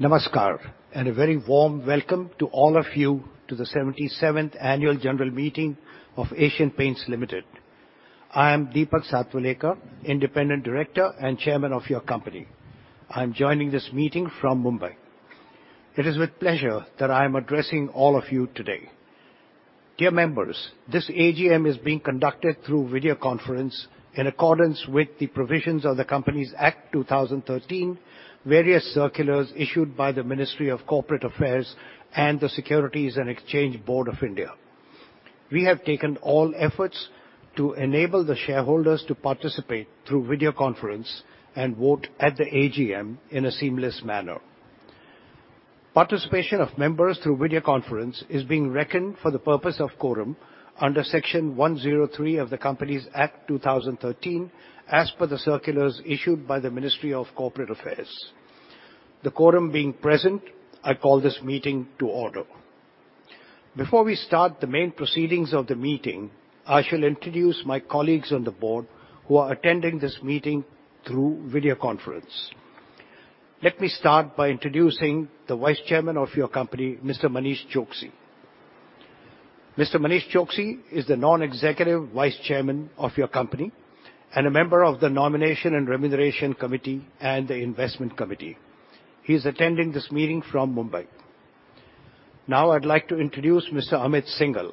Namaskar, a very warm welcome to all of you to the 77th annual general meeting of Asian Paints Limited. I am Deepak Satwalekar, Independent Director and Chairman of your company. I'm joining this meeting from Mumbai. It is with pleasure that I am addressing all of you today. Dear members, this AGM is being conducted through video conference in accordance with the provisions of the Companies Act 2013, various circulars issued by the Ministry of Corporate Affairs, and the Securities and Exchange Board of India. We have taken all efforts to enable the shareholders to participate through video conference and vote at the AGM in a seamless manner. Participation of members through video conference is being reckoned for the purpose of quorum under Section 103 of the Companies Act 2013, as per the circulars issued by the Ministry of Corporate Affairs. The quorum being present, I call this meeting to order. Before we start the main proceedings of the meeting, I shall introduce my colleagues on the board who are attending this meeting through video conference. Let me start by introducing the Non-Executive Vice Chairman of your company, Mr. Manish Choksi. Mr. Manish Choksi is the Non-Executive Vice Chairman of your company and a member of the Nomination and Remuneration Committee and the Investment Committee. He is attending this meeting from Mumbai. Now, I'd like to introduce Mr. Amit Syngle.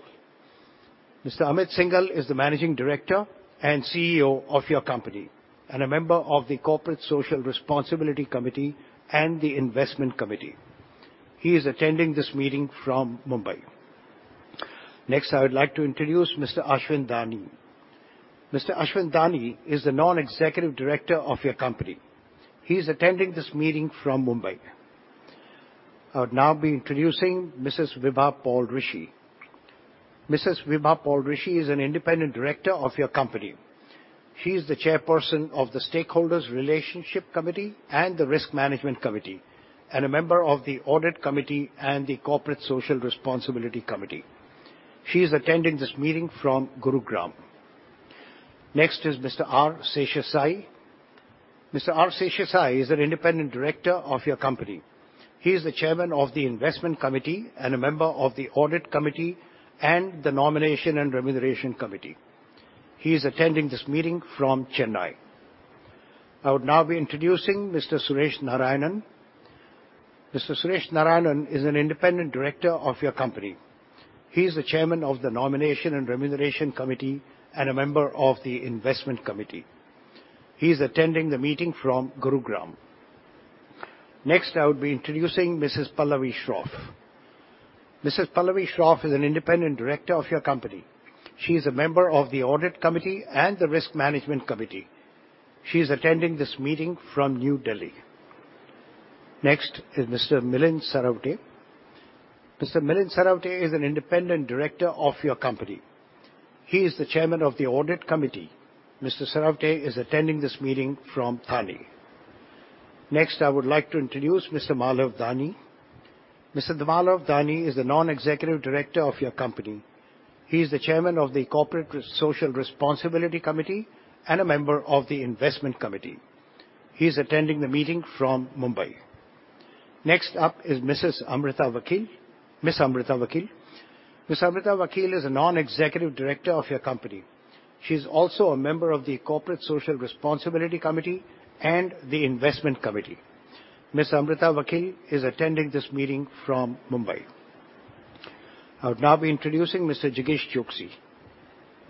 Mr. Amit Syngle is the Managing Director and CEO of your company, and a member of the Corporate Social Responsibility Committee and the Investment Committee. He is attending this meeting from Mumbai. Next, I would like to introduce Mr. Ashwin Dani. Mr. Ashwin Dani is the Non-Executive Director of your company. He is attending this meeting from Mumbai. I would now be introducing Mrs. Vibha Paul Rishi. Mrs. Vibha Paul Rishi is an independent director of your company. She is the chairperson of the Stakeholders' Relationship Committee and the Risk Management Committee, and a member of the Audit Committee and the Corporate Social Responsibility Committee. She is attending this meeting from Gurugram. Next is Mr. R. Seshasayee. Mr. R. Seshasayee is an independent director of your company. He is the chairman of the Investment Committee and a member of the Audit Committee and the Nomination and Remuneration Committee. He is attending this meeting from Chennai. I would now be introducing Mr. Suresh Narayanan. Mr. Suresh Narayanan is an independent director of your company. He is the chairman of the Nomination and Remuneration Committee, and a member of the Investment Committee. He is attending the meeting from Gurugram. Next, I would be introducing Mrs. Pallavi Shroff. Mrs. Pallavi Shroff is an independent director of your company. She is a member of the Audit Committee and the Risk Management Committee. She is attending this meeting from New Delhi. Next is Mr. Milind Sarwate. Mr. Milind Sarwate is an independent director of your company. He is the chairman of the Audit Committee. Mr. Sarwate is attending this meeting from Thane. Next, I would like to introduce Mr. Malav Dani. Mr. Malav Dani is the non-executive director of your company. He is the chairman of the Corporate Social Responsibility Committee and a member of the Investment Committee. He is attending the meeting from Mumbai. Next up is Mrs. Amrita Vakil. Miss Amrita Vakil is a non-executive director of your company. She's also a member of the Corporate Social Responsibility Committee and the Investment Committee. Miss Amrita Vakil is attending this meeting from Mumbai. I would now be introducing Mr. Jigish Choksi.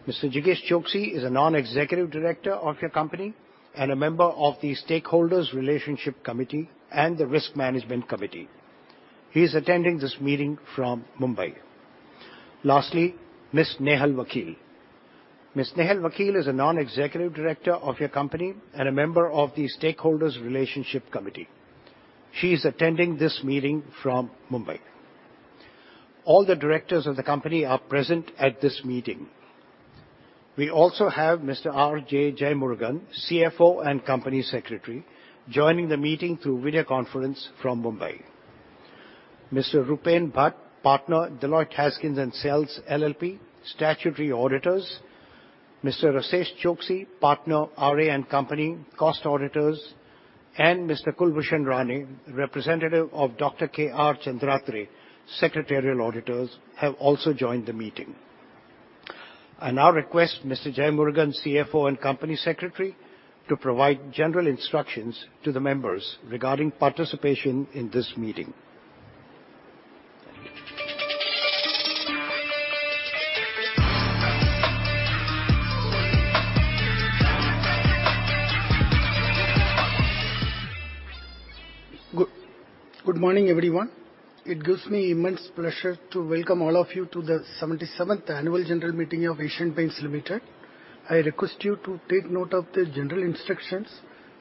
Mr. Jigish Choksi is a Non-Executive Director of your company and a member of the Stakeholders' Relationship Committee and the Risk Management Committee. He is attending this meeting from Mumbai. Lastly, Miss Nehal Vakil. Miss Nehal Vakil is a Non-Executive Director of your company and a member of the Stakeholders' Relationship Committee. She is attending this meeting from Mumbai. All the Directors of the company are present at this meeting. We also have Mr. R. J. Jeyamurugan, CFO and Company Secretary, joining the meeting through video conference from Mumbai. Mr. Rupen Bhatt, Partner, Deloitte Haskins & Sells LLP, statutory auditors, Mr. Rasesh Chokshi, Partner, R A & Co., cost auditors, and Mr. Kulbhushan Rane, representative of Dr. K.R. Chandratre, secretarial auditors, have also joined the meeting. I now request Mr. Mr. Jeyamurugan, CFO and Company Secretary, to provide general instructions to the members regarding participation in this meeting. Good morning, everyone. It gives me immense pleasure to welcome all of you to the 77th annual general meeting of Asian Paints Limited. I request you to take note of the general instructions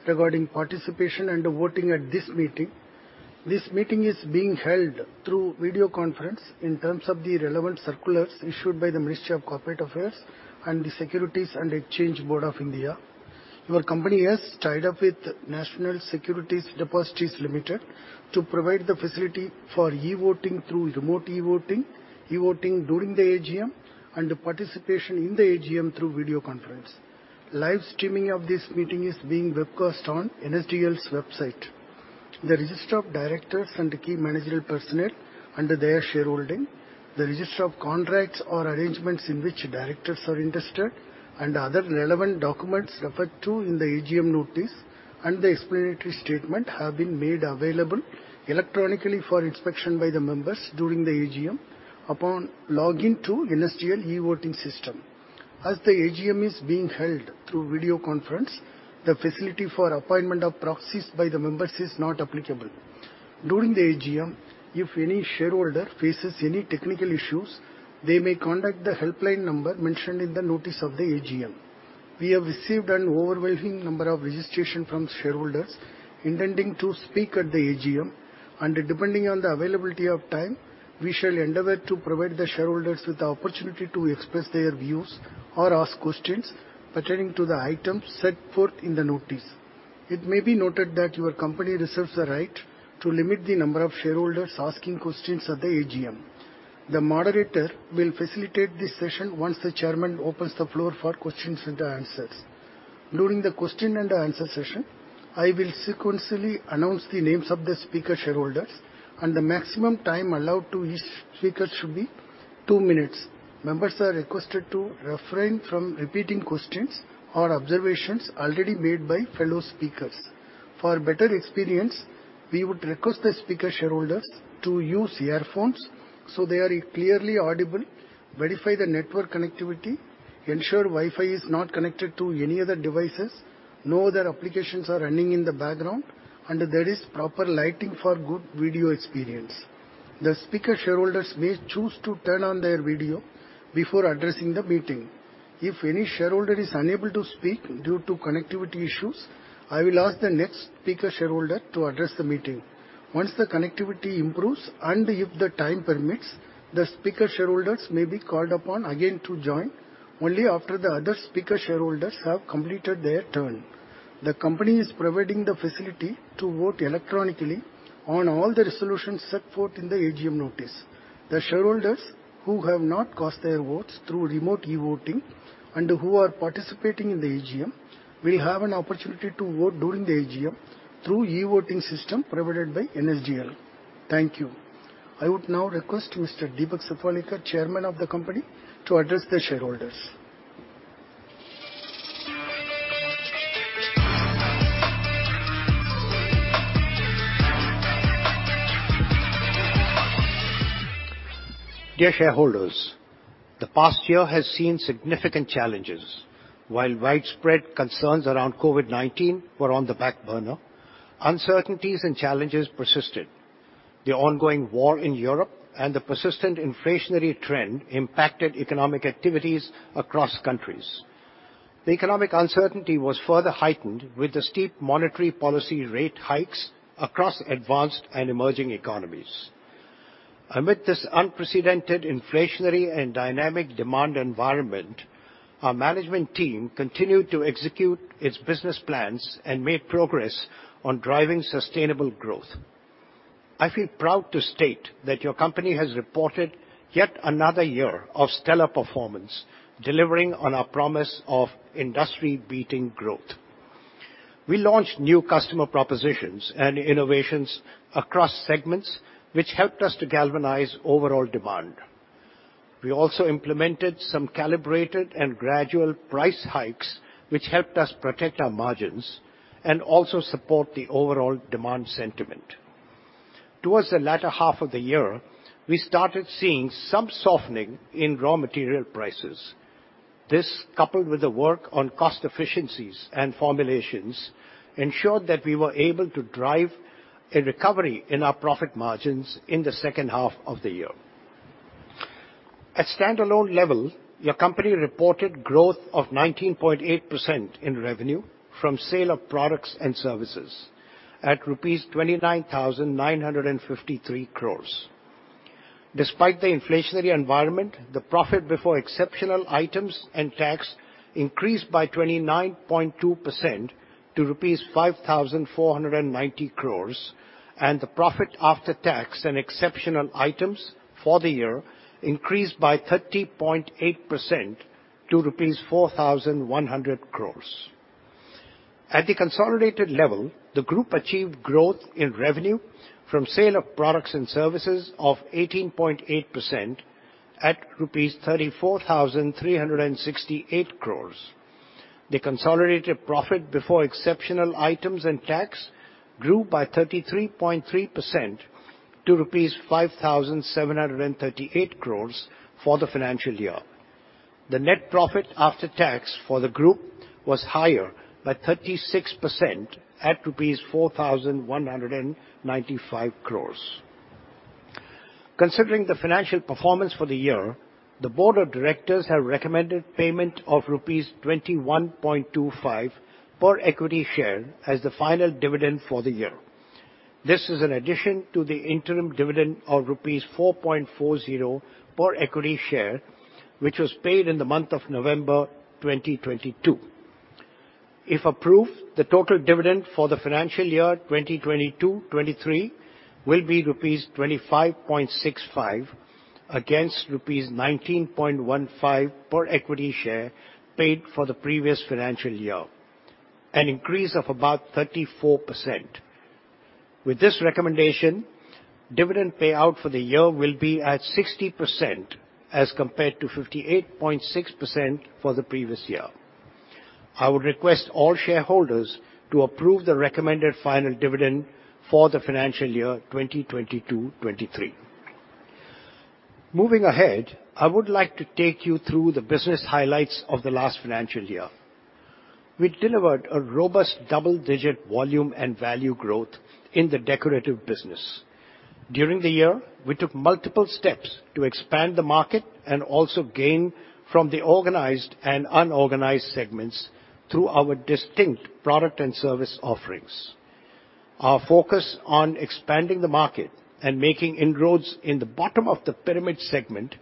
regarding participation and voting at this meeting. This meeting is being held through video conference in terms of the relevant circulars issued by the Ministry of Corporate Affairs and the Securities and Exchange Board of India. Your company has tied up with National Securities Depository Limited to provide the facility for e-voting through remote e-voting, e-voting during the AGM, and participation in the AGM through video conference. Live streaming of this meeting is being webcast on NSDL's website. The register of directors and key managerial personnel, and their shareholding, the register of contracts or arrangements in which directors are interested, and other relevant documents referred to in the AGM notice and the explanatory statement have been made available electronically for inspection by the members during the AGM upon login to NSDL e-voting system. As the AGM is being held through video conference, the facility for appointment of proxies by the members is not applicable. During the AGM, if any shareholder faces any technical issues, they may contact the helpline number mentioned in the notice of the AGM. We have received an overwhelming number of registration from shareholders intending to speak at the AGM, and depending on the availability of time, we shall endeavor to provide the shareholders with the opportunity to express their views or ask questions pertaining to the items set forth in the notice. It may be noted that your company reserves the right to limit the number of shareholders asking questions at the AGM. The moderator will facilitate this session once the chairman opens the floor for questions and answers. During the question and answer session, I will sequentially announce the names of the speaker shareholders, and the maximum time allowed to each speaker should be 2 minutes. Members are requested to refrain from repeating questions or observations already made by fellow speakers. For a better experience, we would request the speaker shareholders to use earphones so they are clearly audible, verify the network connectivity, ensure Wi-Fi is not connected to any other devices, no other applications are running in the background, and there is proper lighting for good video experience. The speaker shareholders may choose to turn on their video before addressing the meeting. If any shareholder is unable to speak due to connectivity issues, I will ask the next speaker shareholder to address the meeting. Once the connectivity improves, and if the time permits, the speaker shareholders may be called upon again to join only after the other speaker shareholders have completed their turn. The company is providing the facility to vote electronically on all the resolutions set forth in the AGM notice. The shareholders who have not cast their votes through remote e-voting and who are participating in the AGM will have an opportunity to vote during the AGM through e-voting system provided by NSDL. Thank you. I would now request Mr. Deepak Satwalekar, chairman of the company, to address the shareholders. Dear shareholders, the past year has seen significant challenges. While widespread concerns around COVID-19 were on the back burner, uncertainties and challenges persisted. The ongoing war in Europe and the persistent inflationary trend impacted economic activities across countries. The economic uncertainty was further heightened with the steep monetary policy rate hikes across advanced and emerging economies. Amidst this unprecedented inflationary and dynamic demand environment, our management team continued to execute its business plans and made progress on driving sustainable growth. I feel proud to state that your company has reported yet another year of stellar performance, delivering on our promise of industry-beating growth. We launched new customer propositions and innovations across segments, which helped us to galvanize overall demand. We also implemented some calibrated and gradual price hikes, which helped us protect our margins and also support the overall demand sentiment. Towards the latter half of the year, we started seeing some softening in raw material prices. This, coupled with the work on cost efficiencies and formulations, ensured that we were able to drive a recovery in our profit margins in the second half of the year. At standalone level, your company reported growth of 19.8% in revenue from sale of products and services at 29,953 crores rupees. Despite the inflationary environment, the profit before exceptional items and tax increased by 29.2% to rupees 5,490 crores, and the profit after tax and exceptional items for the year increased by 30.8% to rupees 4,100 crores. At the consolidated level, the group achieved growth in revenue from sale of products and services of 18.8% at INR 34,368 crores. The consolidated profit before exceptional items and tax grew by 33.3% to rupees 5,738 crores for the financial year. The net profit after tax for the group was higher by 36% at rupees 4,195 crores. Considering the financial performance for the year, the board of directors have recommended payment of INR 21.25 per equity share as the final dividend for the year. This is in addition to the interim dividend of rupees 4.40 per equity share, which was paid in the month of November 2022. If approved, the total dividend for the financial year 2022, 2023, will be rupees 25.65 against rupees 19.15 per equity share paid for the previous financial year, an increase of about 34%. With this recommendation, dividend payout for the year will be at 60%, as compared to 58.6% for the previous year. I would request all shareholders to approve the recommended final dividend for the financial year 2022, 2023. Moving ahead, I would like to take you through the business highlights of the last financial year. We delivered a robust double-digit volume and value growth in the decorative business. During the year, we took multiple steps to expand the market and also gain from the organized and unorganized segments through our distinct product and service offerings. Our focus on expanding the market and making inroads in the bottom-of-the-pyramid segment,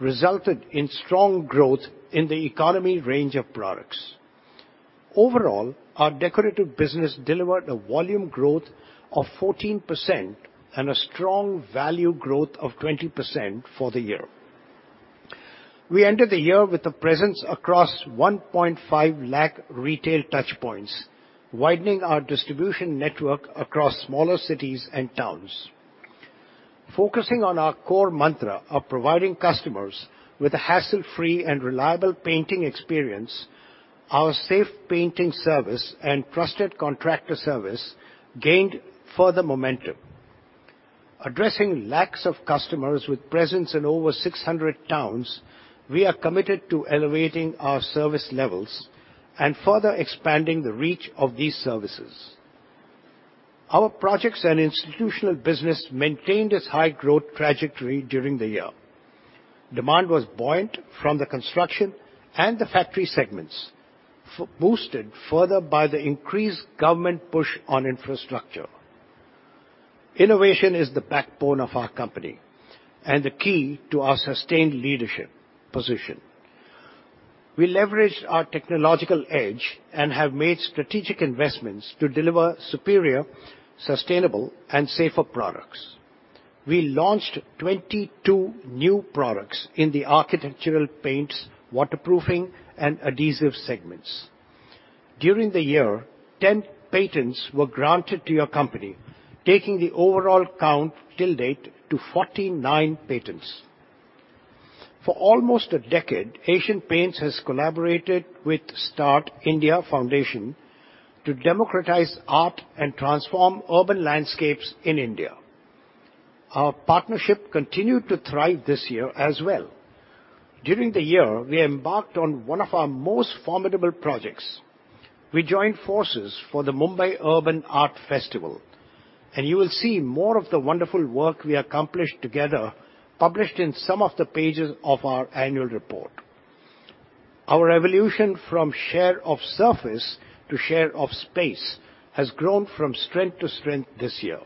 resulted in strong growth in the economy range of products. Overall, our decorative business delivered a volume growth of 14% and a strong value growth of 20% for the year. We ended the year with a presence across 1.5 lakh retail touchpoints, widening our distribution network across smaller cities and towns. Focusing on our core mantra of providing customers with a hassle-free and reliable painting experience, our safe painting service and trusted contractor service gained further momentum. Addressing lakhs of customers with presence in over 600 towns, we are committed to elevating our service levels and further expanding the reach of these services. Our projects and institutional business maintained its high growth trajectory during the year. Demand was buoyant from the construction and the factory segments, boosted further by the increased government push on infrastructure. Innovation is the backbone of our company and the key to our sustained leadership position. We leveraged our technological edge and have made strategic investments to deliver superior, sustainable, and safer products. We launched 22 new products in the architectural paints, waterproofing, and adhesive segments. During the year, 10 patents were granted to your company, taking the overall count till date to 49 patents. For almost a decade, Asian Paints has collaborated with St+art India Foundation to democratize art and transform urban landscapes in India. Our partnership continued to thrive this year as well. During the year, we embarked on one of our most formidable projects. We joined forces for the Mumbai Urban Art Festival. You will see more of the wonderful work we accomplished together, published in some of the pages of our annual report. Our evolution from share of surface to share of space has grown from strength to strength this year.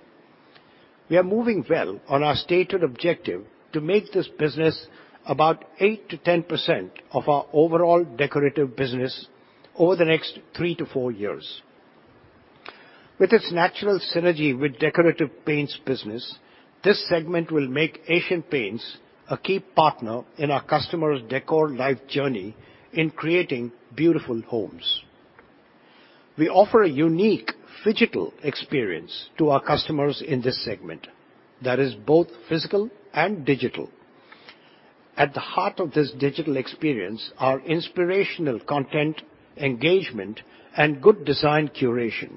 We are moving well on our stated objective to make this business about 8%-10% of our overall decorative business over the next 3-4 years. With its natural synergy with decorative paints business, this segment will make Asian Paints a key partner in our customers' decor life journey in creating beautiful homes. We offer a unique phygital experience to our customers in this segment that is both physical and digital. At the heart of this digital experience are inspirational content, engagement, and good design curation.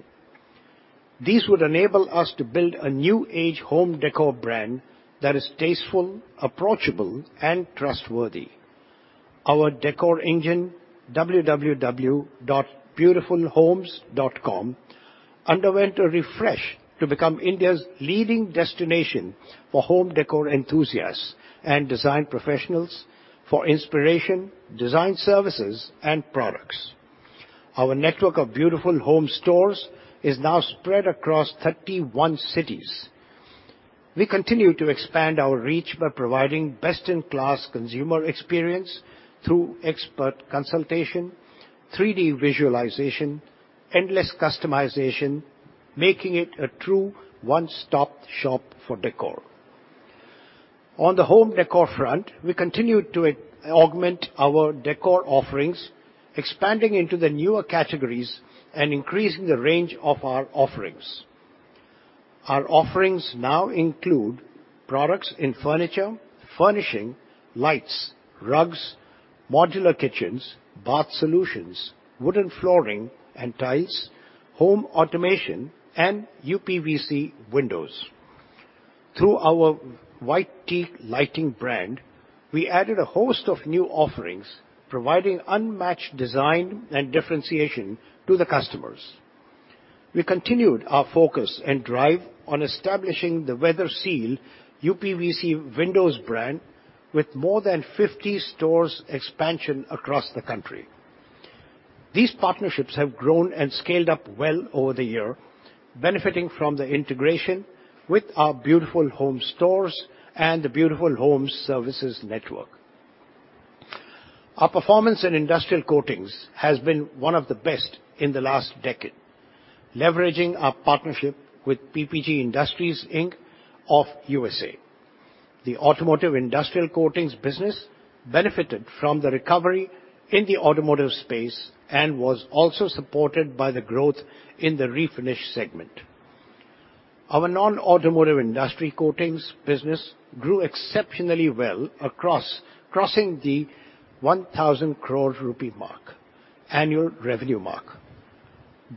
These would enable us to build a new-age home décor brand that is tasteful, approachable, and trustworthy. Our décor engine, www.beautifulhomes.com, underwent a refresh to become India's leading destination for home décor enthusiasts and design professionals for inspiration, design services, and products. Our network of Beautiful Homes Stores is now spread across 31 cities. We continue to expand our reach by providing best-in-class consumer experience through expert consultation, 3D visualization, endless customization, making it a true one-stop shop for décor. On the home décor front, we continued to augment our décor offerings, expanding into the newer categories and increasing the range of our offerings. Our offerings now include products in furniture, furnishing, lights, rugs, modular kitchens, bath solutions, wooden flooring and tiles, home automation, and uPVC windows. Through our White Teak lighting brand, we added a host of new offerings, providing unmatched design and differentiation to the customers. We continued our focus and drive on establishing the Weatherseal uPVC Windows brand, with more than 50 stores expansion across the country. These partnerships have grown and scaled up well over the year, benefiting from the integration with our Beautiful Homes stores and the Beautiful Homes services network. Our performance in industrial coatings has been one of the best in the last decade, leveraging our partnership with PPG Industries, Inc. of USA. The automotive industrial coatings business benefited from the recovery in the automotive space and was also supported by the growth in the refinish segment. Our non-automotive industry coatings business grew exceptionally well across, crossing the 1,000 crore rupee mark, annual revenue mark.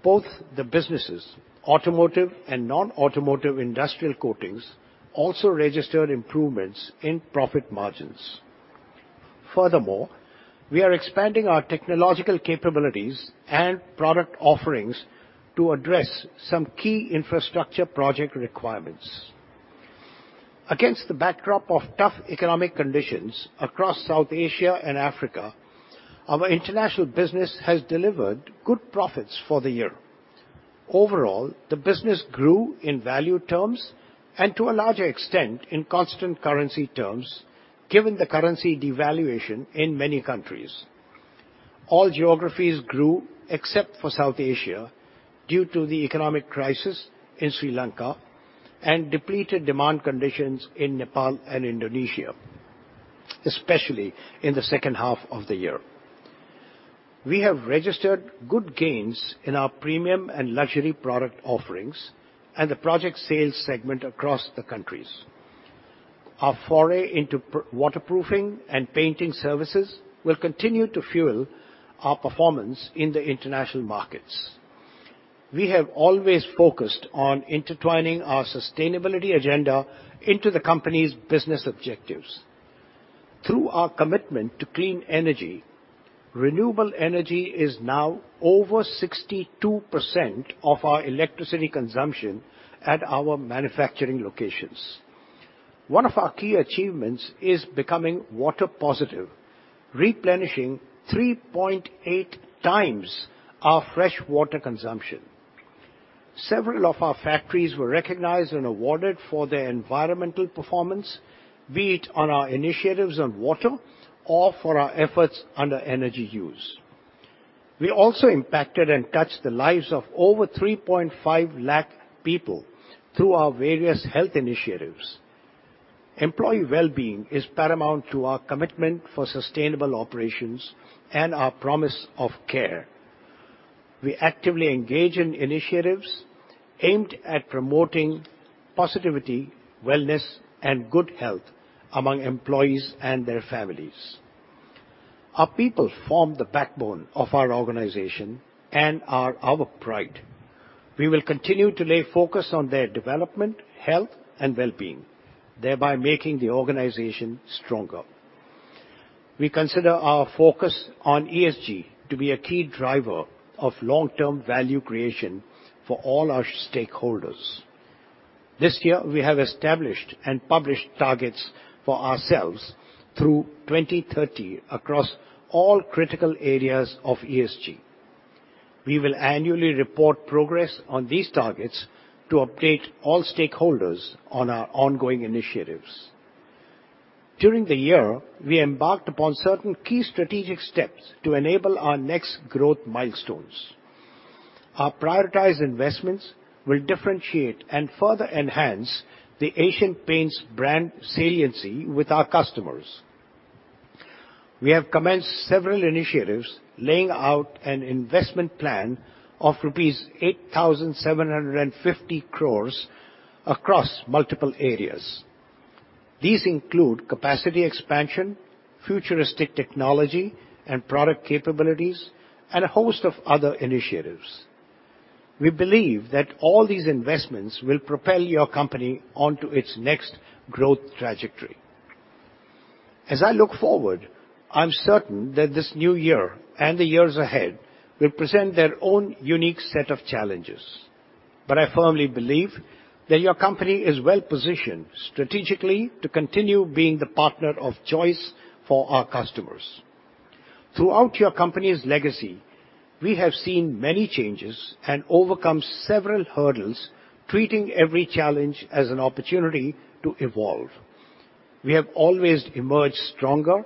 Both the businesses, automotive and non-automotive industrial coatings, also registered improvements in profit margins. Furthermore, we are expanding our technological capabilities and product offerings to address some key infrastructure project requirements. Against the backdrop of tough economic conditions across South Asia and Africa, our international business has delivered good profits for the year. Overall, the business grew in value terms and to a larger extent in constant currency terms, given the currency devaluation in many countries. All geographies grew except for South Asia, due to the economic crisis in Sri Lanka and depleted demand conditions in Nepal and Indonesia, especially in the second half of the year. We have registered good gains in our premium and luxury product offerings and the project sales segment across the countries. Our foray into waterproofing and painting services will continue to fuel our performance in the international markets. We have always focused on intertwining our sustainability agenda into the company's business objectives. Through our commitment to clean energy, renewable energy is now over 62% of our electricity consumption at our manufacturing locations. One of our key achievements is becoming water positive, replenishing 3.8 times our fresh water consumption. Several of our factories were recognized and awarded for their environmental performance, be it on our initiatives on water or for our efforts under energy use. We also impacted and touched the lives of over 3.5 lakh people through our various health initiatives. Employee well-being is paramount to our commitment for sustainable operations and our promise of care. We actively engage in initiatives aimed at promoting positivity, wellness, and good health among employees and their families. Our people form the backbone of our organization and are our pride. We will continue to lay focus on their development, health, and well-being, thereby making the organization stronger. We consider our focus on ESG to be a key driver of long-term value creation for all our stakeholders. This year, we have established and published targets for ourselves through 2030 across all critical areas of ESG. We will annually report progress on these targets to update all stakeholders on our ongoing initiatives. During the year, we embarked upon certain key strategic steps to enable our next growth milestones. Our prioritized investments will differentiate and further enhance the Asian Paints brand saliency with our customers. We have commenced several initiatives, laying out an investment plan of 8,750 crores rupees across multiple areas. These include capacity expansion, futuristic technology, and product capabilities, and a host of other initiatives. We believe that all these investments will propel your company onto its next growth trajectory. As I look forward, I'm certain that this new year and the years ahead will present their own unique set of challenges, I firmly believe that your company is well-positioned strategically to continue being the partner of choice for our customers. Throughout your company's legacy, we have seen many changes and overcome several hurdles, treating every challenge as an opportunity to evolve. We have always emerged stronger,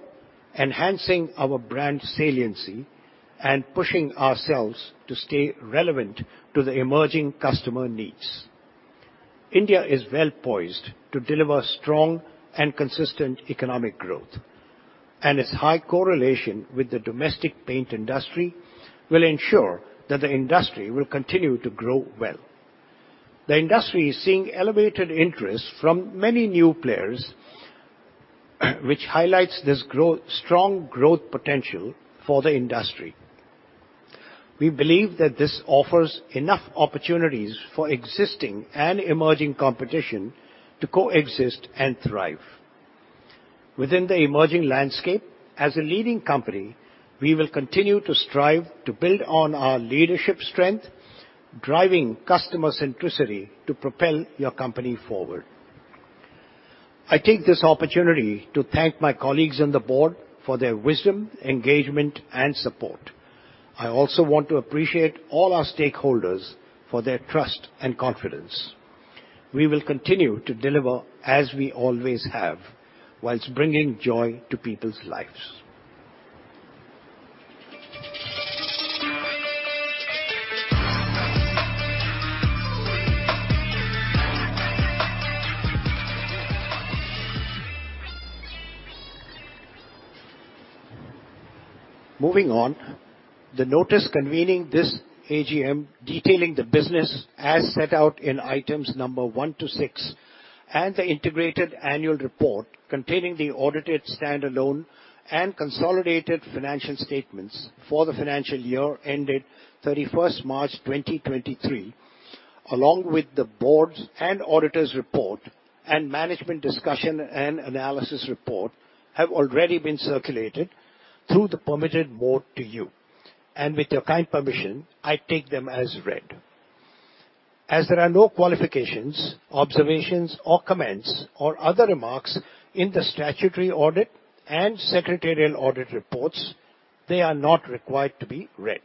enhancing our brand saliency and pushing ourselves to stay relevant to the emerging customer needs. India is well poised to deliver strong and consistent economic growth, its high correlation with the domestic paint industry will ensure that the industry will continue to grow well. The industry is seeing elevated interest from many new players, which highlights this strong growth potential for the industry. We believe that this offers enough opportunities for existing and emerging competition to coexist and thrive. Within the emerging landscape, as a leading company, we will continue to strive to build on our leadership strength, driving customer centricity to propel your company forward. I take this opportunity to thank my colleagues on the board for their wisdom, engagement, and support. I also want to appreciate all our stakeholders for their trust and confidence. We will continue to deliver as we always have, whilst bringing joy to people's lives. Moving on, the notice convening this AGM detailing the business as set out in items number one to six, and the integrated annual report containing the audited standalone and consolidated financial statements for the financial year ended 31st March 2023, along with the board's and auditor's report and management discussion and analysis report, have already been circulated through the permitted mode to you, and with your kind permission, I take them as read. There are no qualifications, observations, or comments or other remarks in the statutory audit and secretarial audit reports, they are not required to be read.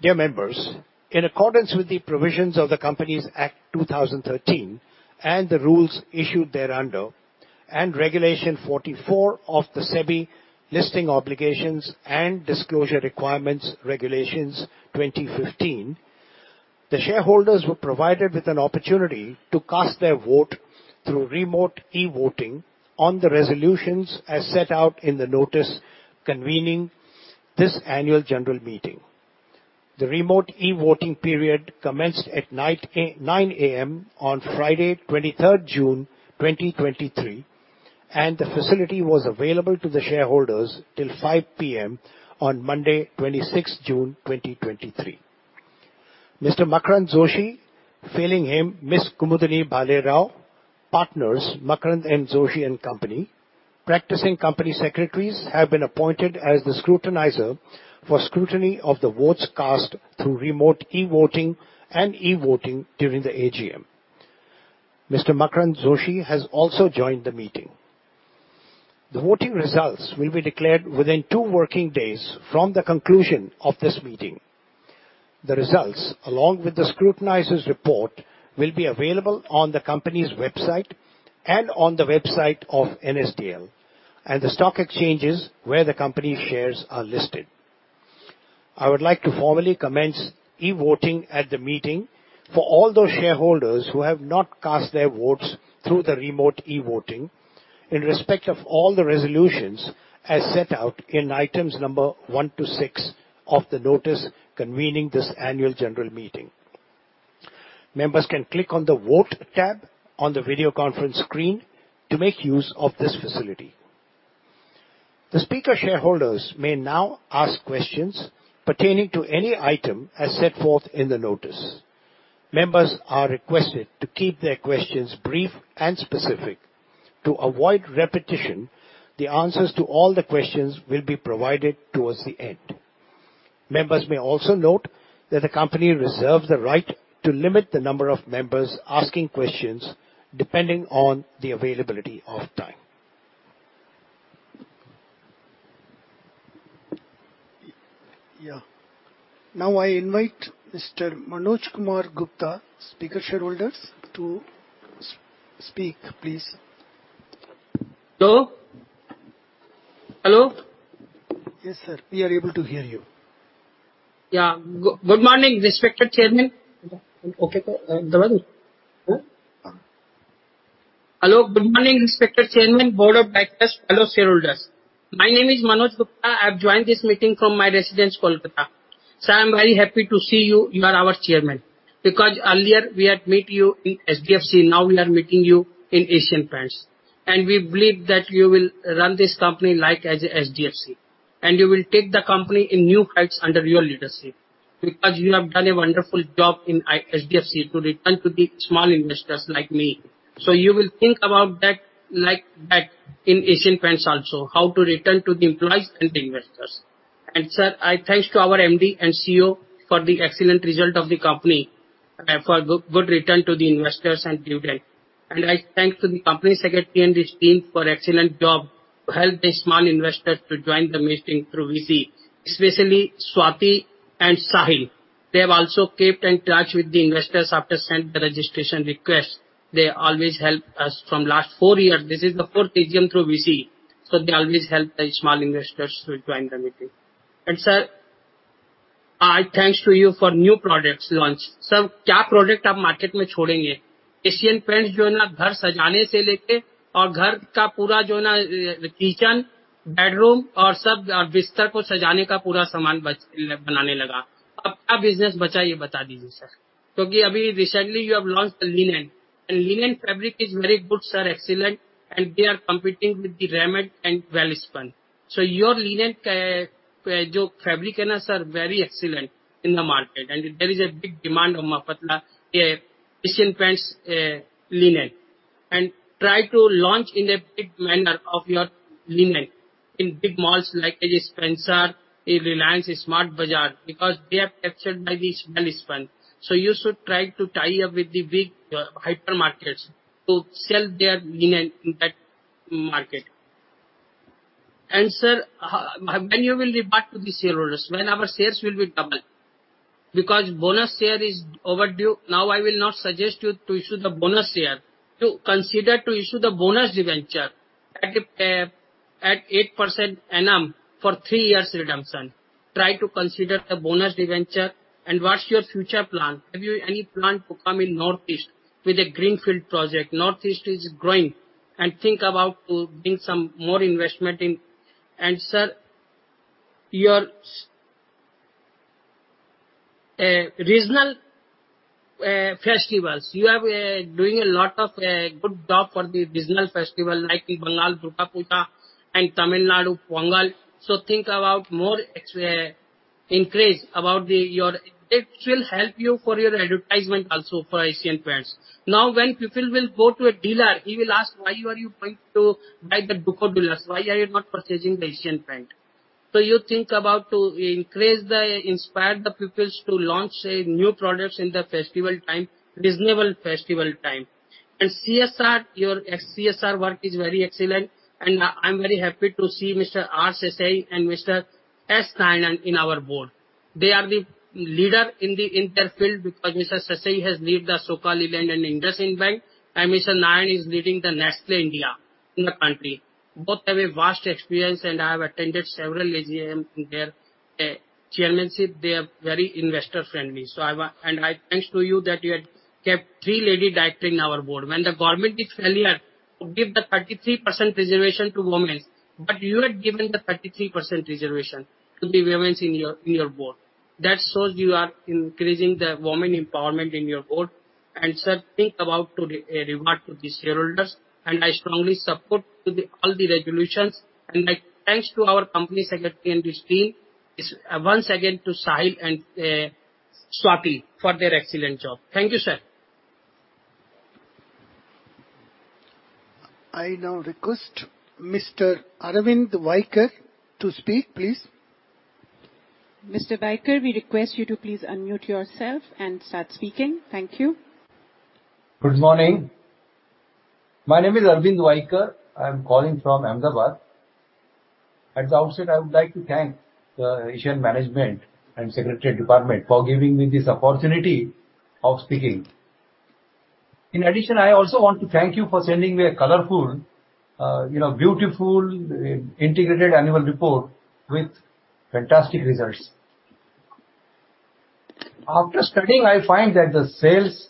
Dear members, in accordance with the provisions of the Companies Act, 2013, and the rules issued thereunder, and Regulation 44 of the SEBI (Listing Obligations and Disclosure Requirements) Regulations, 2015, the shareholders were provided with an opportunity to cast their vote through remote e-voting on the resolutions as set out in the notice convening this annual general meeting. The remote e-voting period commenced at 9:00 A.M. on Friday, 23rd June, 2023, and the facility was available to the shareholders till 5:00 P.M. on Monday, 26th June, 2023. Mr. Makarand Joshi, failing him, Miss Kumudini Bhalerao, partners, Makarand M. Joshi & Co., Practicing Company Secretaries, have been appointed as the scrutinizer for scrutiny of the votes cast through remote e-voting and e-voting during the AGM. Mr. Makarand Joshi has also joined the meeting. The voting results will be declared within 2 working days from the conclusion of this meeting. The results, along with the scrutinizer's report, will be available on the company's website and on the website of NSDL and the stock exchanges where the company shares are listed. I would like to formally commence e-voting at the meeting for all those shareholders who have not cast their votes through the remote e-voting in respect of all the resolutions as set out in items number 1 to 6 of the notice convening this annual general meeting. Members can click on the Vote tab on the video conference screen to make use of this facility. The speaker shareholders may now ask questions pertaining to any item as set forth in the notice. Members are requested to keep their questions brief and specific. To avoid repetition, the answers to all the questions will be provided towards the end. Members may also note that the company reserves the right to limit the number of members asking questions, depending on the availability of time. I invite Mr. Manoj Kumar Gupta, speaker shareholders, to speak, please. Hello? Hello. Yes, sir, we are able to hear you. Yeah. Good morning, respected Chairman. Okay, Uh. Hello, good morning, respected Chairman, board of directors, fellow shareholders. My name is Manoj Gupta. I've joined this meeting from my residence, Kolkata. I'm very happy to see you. You are our Chairman because earlier we had met you in HDFC. Now we are meeting you in Asian Paints, and we believe that you will run this company like as a HDFC, and you will take the company in new heights under your leadership because you have done a wonderful job in HDFC to return to the small investors like me. You will think about that, like that in Asian Paints also, how to return to the employees and the investors. Sir, I thanks to our MD and CEO for the excellent result of the company, for good return to the investors and dividend. I thank to the Company Secretary and his team for excellent job to help the small investors to join the meeting through VC, especially Swati and Sahil. They have also kept in touch with the investors after sent the registration request. They always help us from last four years. This is the fourth AGM through VC, so they always help the small investors to join the meeting. Sir, I thanks to you for new products launch. Sir, kya product aap market mein chhodenge? Asian Paints jo hai na ghar sajane se lete aur ghar ka pura jo hai na, kitchen, bedroom aur sab bistar ko sajane ka pura saman banane laga. Ab kya business bacha, ye bata dijiye, sir? Kyonki abhi recently you have launched the linen, and linen fabric is very good, sir, excellent, and they are competing with the Raymond and Valspar. Your linen, jo fabric hai na, sir, very excellent in the market, and there is a big demand of pata ke Asian Paints linen. Try to launch in a big manner of your linen in big malls like a Spencer's, a Reliance, a Smart Bazaar, because they are captured by the Valspar. You should try to tie up with the big hypermarkets to sell their linen in that market. Sir, when you will revert to the shareholders, when our shares will be double? Because bonus share is overdue. Now, I will not suggest you to issue the bonus share. To consider to issue the bonus debenture at 8% annum for three years redemption. Try to consider the bonus debenture, and what's your future plan? Have you any plan to come in Northeast with a greenfield project? Northeast is growing, think about to bring some more investment in. Sir, your regional festivals, you have a doing a lot of good job for the regional festival, like in Bengal, Durga Puja, and Tamil Nadu, Pongal. Think about more extra increase about the, it will help you for your advertisement also for Asian Paints. Now, when people will go to a dealer, he will ask: "Why are you going to buy the Duker dealers? Why are you not purchasing the Asian Paints?" You think about to increase the, inspire the peoples to launch a new products in the festival time, reasonable festival time. CSR, your CSR work is very excellent, and I'm very happy to see Mr. R. Seshasayee and Mr. S. Narayanan in our board. They are the leader in the inter-field, because Mr. R. Seshasayee has lead the Social-India and IndusInd Bank. Mr. S. Narayanan is leading the Nestlé India in the country. Both have a vast experience. I have attended several AGM in their chairmanship. They are very investor-friendly. I thanks to you that you had kept 3 lady director in our board. The government is failure to give the 33% reservation to women. You had given the 33% reservation to the women in your, in your board. That shows you are increasing the women empowerment in your board. Sir, think about to reward to the shareholders. I strongly support to the all the resolutions. My thanks to our company secretary and his team. Once again, to Sahil and Swati, for their excellent job. Thank you, sir. I now request Mr. Arvind Waikar to speak, please. Mr. Vaikar, we request you to please unmute yourself and start speaking. Thank you. Good morning. My name is Arvind Waikar. I'm calling from Ahmedabad. At the outset, I would like to thank the Asian management and secretariat department for giving me this opportunity of speaking. In addition, I also want to thank you for sending me a colorful, you know, beautiful, integrated annual report with fantastic results. After studying, I find that the sales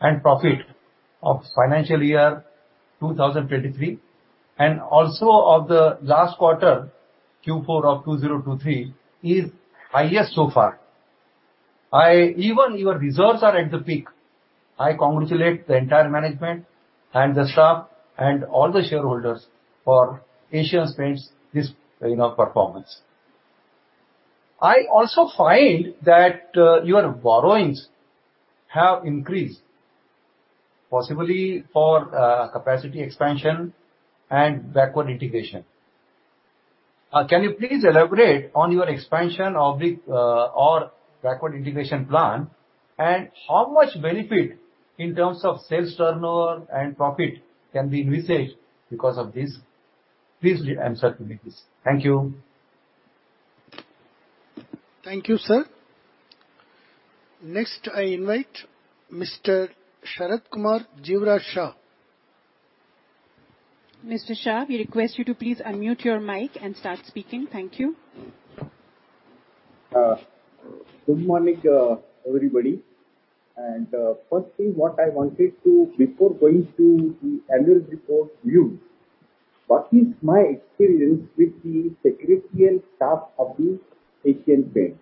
and profit of financial year 2023, and also of the last quarter, Q4 of 2023, is highest so far. Even your reserves are at the peak. I congratulate the entire management and the staff and all the shareholders for Asian Paints this, you know, performance. I also find that your borrowings have increased, possibly for capacity expansion and backward integration. Can you please elaborate on your expansion of the, or backward integration plan, and how much benefit in terms of sales turnover and profit can be envisaged because of this? Please, I'm sorry to make this. Thank you. Thank you, sir. Next, I invite Mr. Sharad Kumar Jivraj Shah. Mr. Shah, we request you to please unmute your mic and start speaking. Thank you. Good morning, everybody. Firstly, what I wanted to, before going to the annual report view, what is my experience with the secretarial staff of Asian Paints.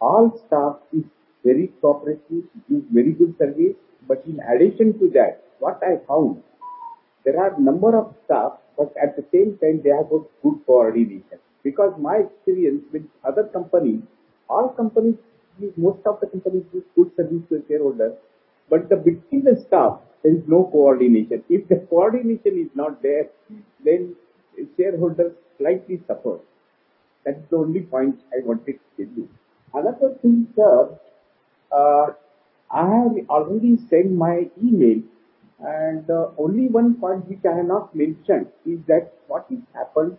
All staff is very cooperative, give very good service, but in addition to that, what I found, there are number of staff, but at the same time, they have got good coordination. My experience with other companies, all companies, most of the companies give good service to the shareholder, but between the staff, there is no coordination. If the coordination is not there, then the shareholder slightly suffers. That is the only point I wanted to tell you. Another thing, sir, I have already sent my email, only one point which I have not mentioned is that what is happened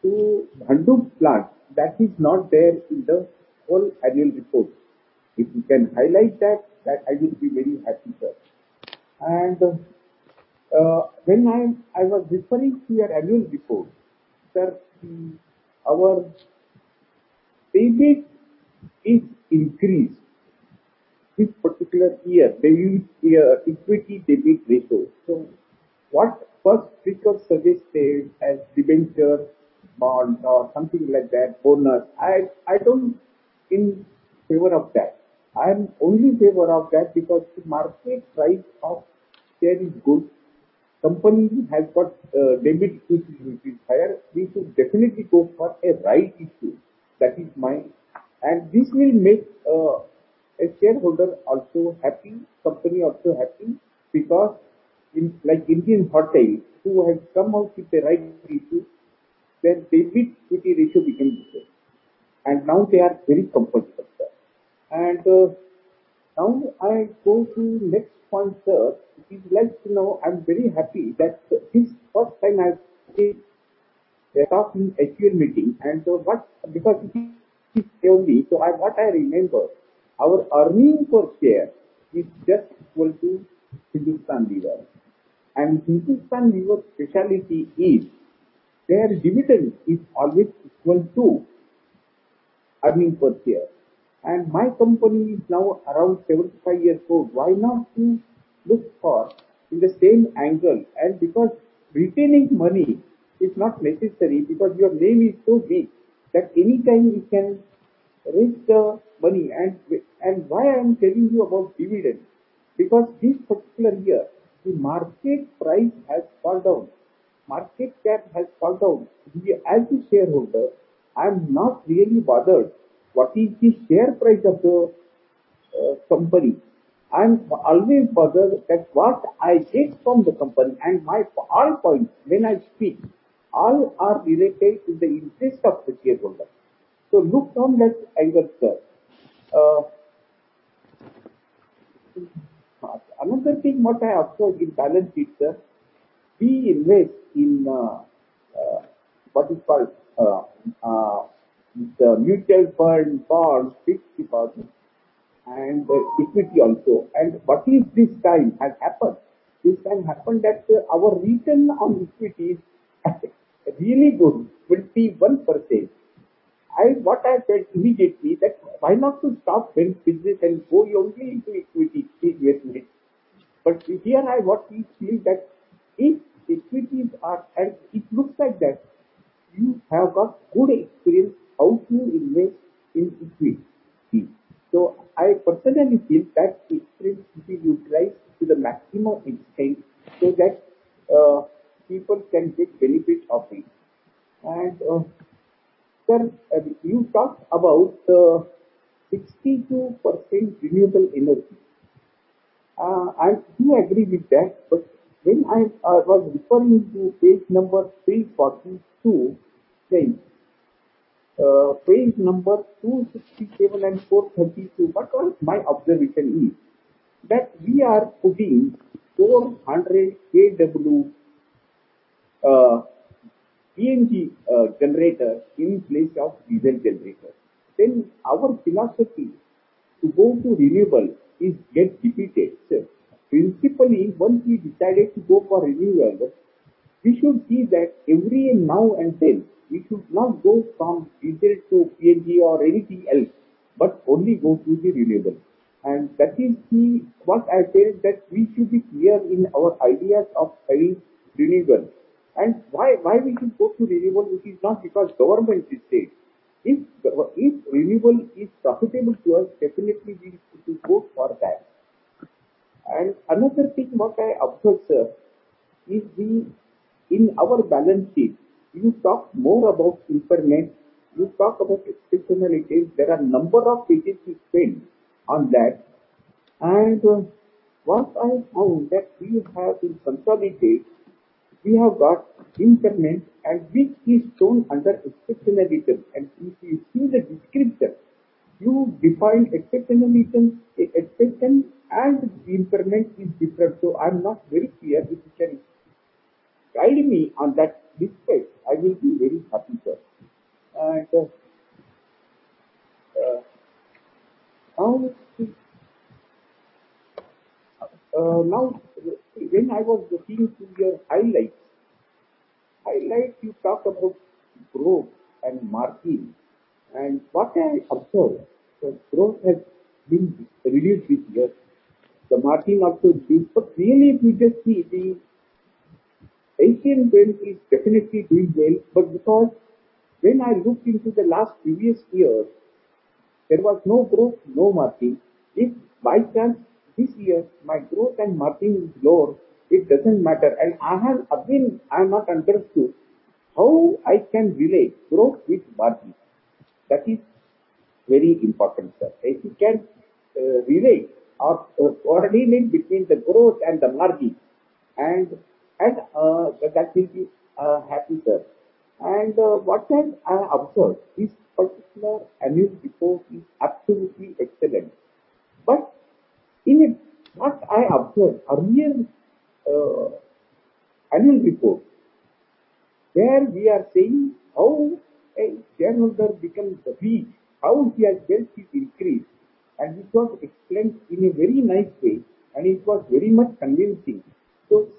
to Bhandup plant, that is not there in the whole annual report. If you can highlight that I will be very happy, sir. When I was referring to your annual report, sir, our debit is increased this particular year, debit, equity debit ratio. What first pick up suggested as debenture bond or something like that, bonus, I don't in favor of that. I am only in favor of that because the market price of share is good. Company has got debit, which is higher. We should definitely go for a right issue. That is my. This will make a shareholder also happy, company also happy, because in like Indian Hotel, who have somehow keep the right issue, their debit equity ratio became better, and now they are very comfortable, sir. Now I go to next point, sir. We'd like to know, I'm very happy that since first time I've seen. They talked in actual meeting, and so what? He tell me, what I remember, our earning per share is just equal to Hindustan Unilever. Hindustan Unilever specialty is their dividend is always equal to earning per share. My company is now around 75 years old. Why not we look for in the same angle? Retaining money is not necessary, because your name is so big that anytime we can raise the money. Why I'm telling you about dividend? This particular year, the market price has fallen down. Market cap has fallen down. We, as a shareholder, I'm not really bothered what is the share price of the company. I'm always bothered that what I take from the company, and my all point when I speak, all are related to the interest of the shareholder. Look from that angle, sir. Another thing what I observed in balance sheet, sir, we invest in what is called, the mutual fund bonds, 60%, and equity also. What is this time has happened? This time happened that our return on equity is really good, 21%. What I said immediately, that why not to stop bank business and go only into equity investment? Here I what is feel that if equities are... it looks like that you have a good experience how to invest in equity. I personally feel that experience it is utilized to the maximum extent, so that people can take benefit of it. Sir, you talked about 62% renewable energy. I do agree with that, when I was referring to page number 342, sir, page number 267 and 432, what was my observation is, that we are putting 400 kW PNG generator in place of diesel generator. Our philosophy to go to renewable is get depleted, sir. Principally, once we decided to go for renewable, we should see that every now and then, we should not go from diesel to PNG or anything else, but only go to the renewable. That is what I said, that we should be clear in our ideas of having renewable. Why we should go to renewable? It is not because government is saying. If renewable is profitable to us, definitely we should go for that. Another thing what I observed, sir, is the, in our balance sheet, you talk more about impairment, you talk about exceptionalities. There are number of pages you spent on that, and what I found that we have in consolidate, we have got impairment, and which is shown under exceptional items. If you see the description, you define exceptional items, exception, and impairment is different. I'm not very clear with that. Guide me on that despite, I will be very happy, sir. Now when I was looking into your highlights, highlight, you talked about growth and margin, and what I observed, the growth has been reduced this year. The margin also decreased. Really, if you just see, the HCM Ben is definitely doing well, but because when I looked into the last previous year, there was no growth, no margin. If by chance, this year, my growth and margin is lower, it doesn't matter. I have again, I'm not convinced to how I can relate growth with margin. That is very important, sir. If you can, relate or coordinate between the growth and the margin, and that will be happy, sir. What can I observe? This particular annual report is absolutely excellent, but in it, what I observed, earlier, annual report, where we are saying how a shareholder becomes rich, how he has just increased, and it was explained in a very nice way, and it was very much convincing.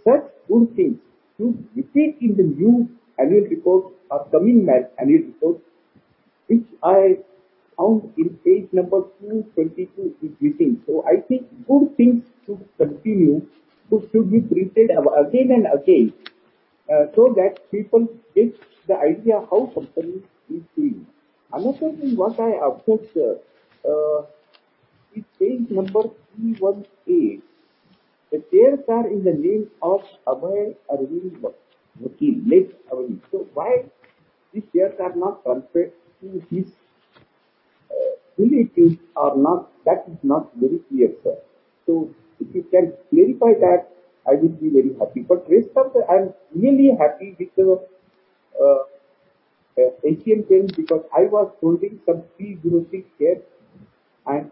Such good things to repeat in the new annual report or coming back annual report, which I found in page number 222 is missing. I think good things should continue, should be printed out again and again, so that people get the idea of how company is doing. Another thing what I observed, sir, is page number 31A. The shares are in the name of Abhay Arvind Vakil, late Arvind. Why the shares are not transferred to his relatives or not? That is not very clear, sir. If you can clarify that, I will be very happy. Rest of that, I am really happy with the HCM Ben, because I was holding some pre-06 shares.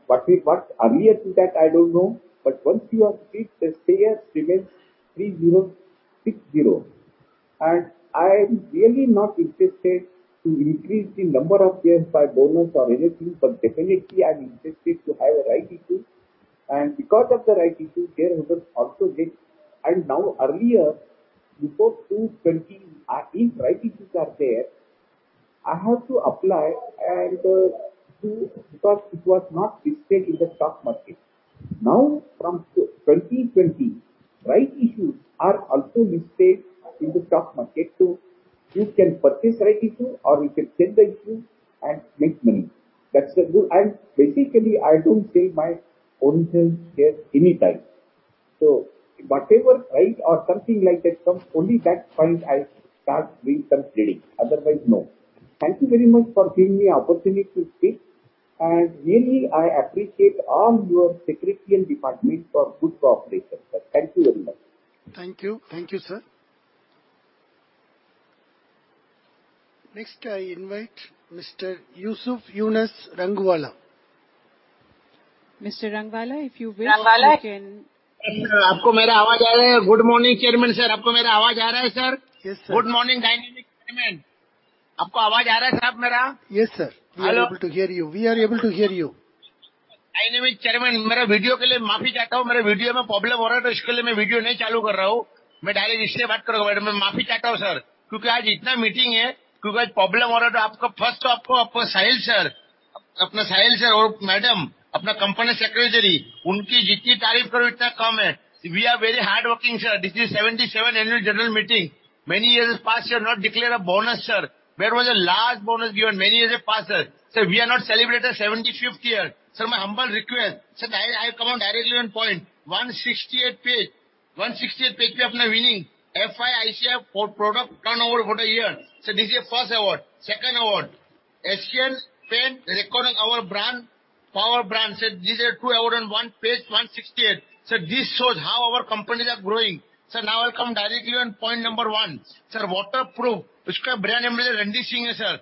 What we worked earlier to that, I don't know. Once you have reached, the shares remains 3060, and I'm really not interested to increase the number of shares by bonus or anything, but definitely I'm interested to have a rights issue. Because of the right issue, shareholders also get. Now, earlier, before 2020, if right issues are there, I have to apply because it was not listed in the stock market. From 2020, right issues are also listed in the stock market, so you can purchase right issue or you can sell the issue and make money. Basically, I don't sell my original share anytime. Whatever right or something like that comes, only that point I start doing some trading, otherwise, no. Thank you very much for giving me an opportunity to speak. Really, I appreciate all your secretarial department for good cooperation, sir. Thank you very much. Thank you. Thank you, sir. Next, I invite Mr. Yusuf Yunus Rangwala. Mr. Rangwala, if you wish. Rangwala. Sir, aapko mera awaaz aa raha hai? Good morning, Chairman, sir. Aapko mera awaaz aa raha hai, sir? Yes, sir. Good morning, Dynamic Chairman. Aapko awaaz aa raha hai, sir, mera? Yes, sir. Hello? We are able to hear you. Dynamic Chairman, mera video ke liye maafi chahta hoon. Mere video mein problem ho raha hai, toh uske liye main video nahi chalu kar raha hoon. Main directly se baat karunga, madam, main maafi chahta hoon, sir. Kyunki aaj itna meeting hai, kyunki problem ho raha hai, toh aapka first toh aapko, aapka Sahil sir, apna Sahil sir aur madam, apna Company Secretary, unki jitni tareef karoon, itna kam hai. We are very hardworking, sir. This is 77 Annual General Meeting. Many years has passed, sir, not declare a bonus, sir. There was a large bonus given many years ago, sir. We are not celebrated 75th year. My humble request, sir, I come on directly on point 168 page. 168 page mein apna winning FICCI for product turnover for the year. This is a first award. Second award, Asian Paints recognizing our brand, power brand, sir. These are 2 award on 1 page, 168. Sir, this shows how our companies are growing. Sir, now I come directly on point number 1. Sir, waterproof, uska brand name hai Damp Block hai, sir.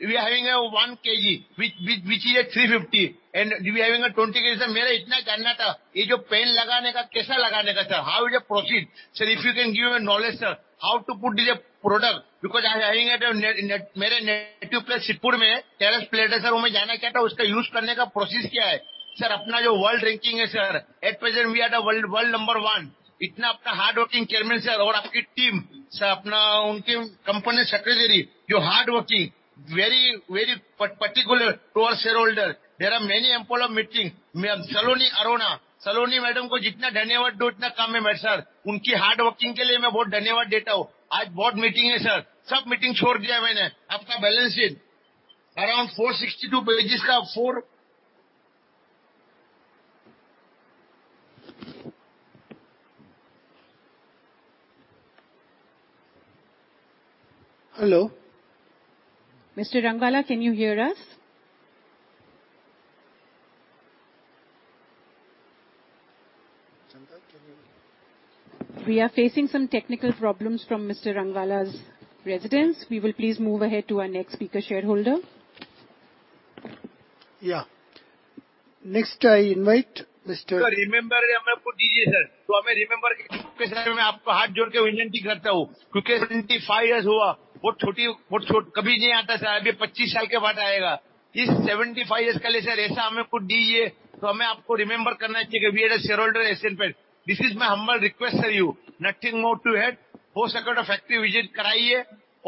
We are having a 1 kg, which is at 350, and we are having a 20 kg. Sir, mera itna janana tha, ye jo paint lagane ka, kaisa lagane ka hai, sir? How is the proceed? Sir, if you can give a knowledge, sir, how to put this product, because I'm having at a mere native place, Sriperumbudur mein, terrace plate hai, sir. Humein janana kya tha, uska use karne ka process kya hai? Sir, apna jo world ranking hai, sir, at present, we are the world number 1. Itna apna hardworking chairman, sir, Aapki team, sir, apna unki company secretary, jo hardworking, very particular towards shareholder. There are many important meeting. Saloni Arona. Saloni madam ko jitna dhanyavad du, utna kam hai, sir. Unki hardworking ke liye main bahut dhanyavad deta hoon. Aaj board meeting hai, sir. Sab meeting chhod diya maine. Apna balance sheet, around 462 pages ka. Hello? Mr. Rangwala, can you hear us? We are facing some technical problems from Mr. Rangwala's residence. We will please move ahead to our next speaker shareholder. Yeah. Next, I invite. Remember, aap ko dijiye, sir. hamein remember ke liye, sir, main aapko haath jod ke vinanti karta hoon, kyunki 75 years hua, woh choti, kabhi nahi aata hai, sir. Abhi 25 saal ke baad aayega. Is 75 years ke liye, sir, aisa hamein kuch dijiye, toh hamein aapko remember karna chahiye ki we are a shareholder Asian Paints. This is my humble request to you. Nothing more to add. Whole circuit of factory visit karaiye,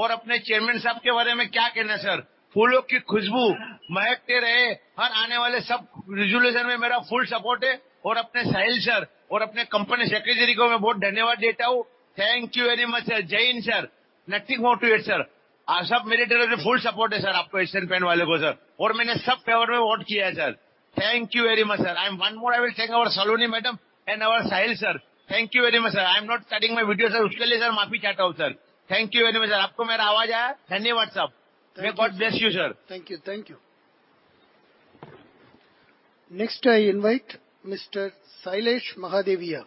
aur apne chairman sahab ke bare mein kya kehna hai, sir? Phoolon ki khushbu mehakte rahe, har aane wale sab resolution mein mera full support hai, aur apne Sahil sir, aur apne Company Secretary ko main bahut dhanyavad deta hoon. Thank you very much, sir. Jai Hind, sir. Nothing more to add, sir. Aap sab mere tere full support hai, sir, aapko Asian Paints walon ko, sir. Aur maine sab favor mein vote kiya hai, sir. Thank you very much, sir. One more I will thank our Saloni madam and our Sahil sir. Thank you very much, sir. I am not cutting my video, sir. Uske liye, sir, maafi chahta hoon, sir. Thank you very much, sir. Aapko mera awaaz aaya? Dhanyavad, sir. May God bless you, sir. Thank you. Thank you. Next, I invite Mr. Shailesh Mahadevia.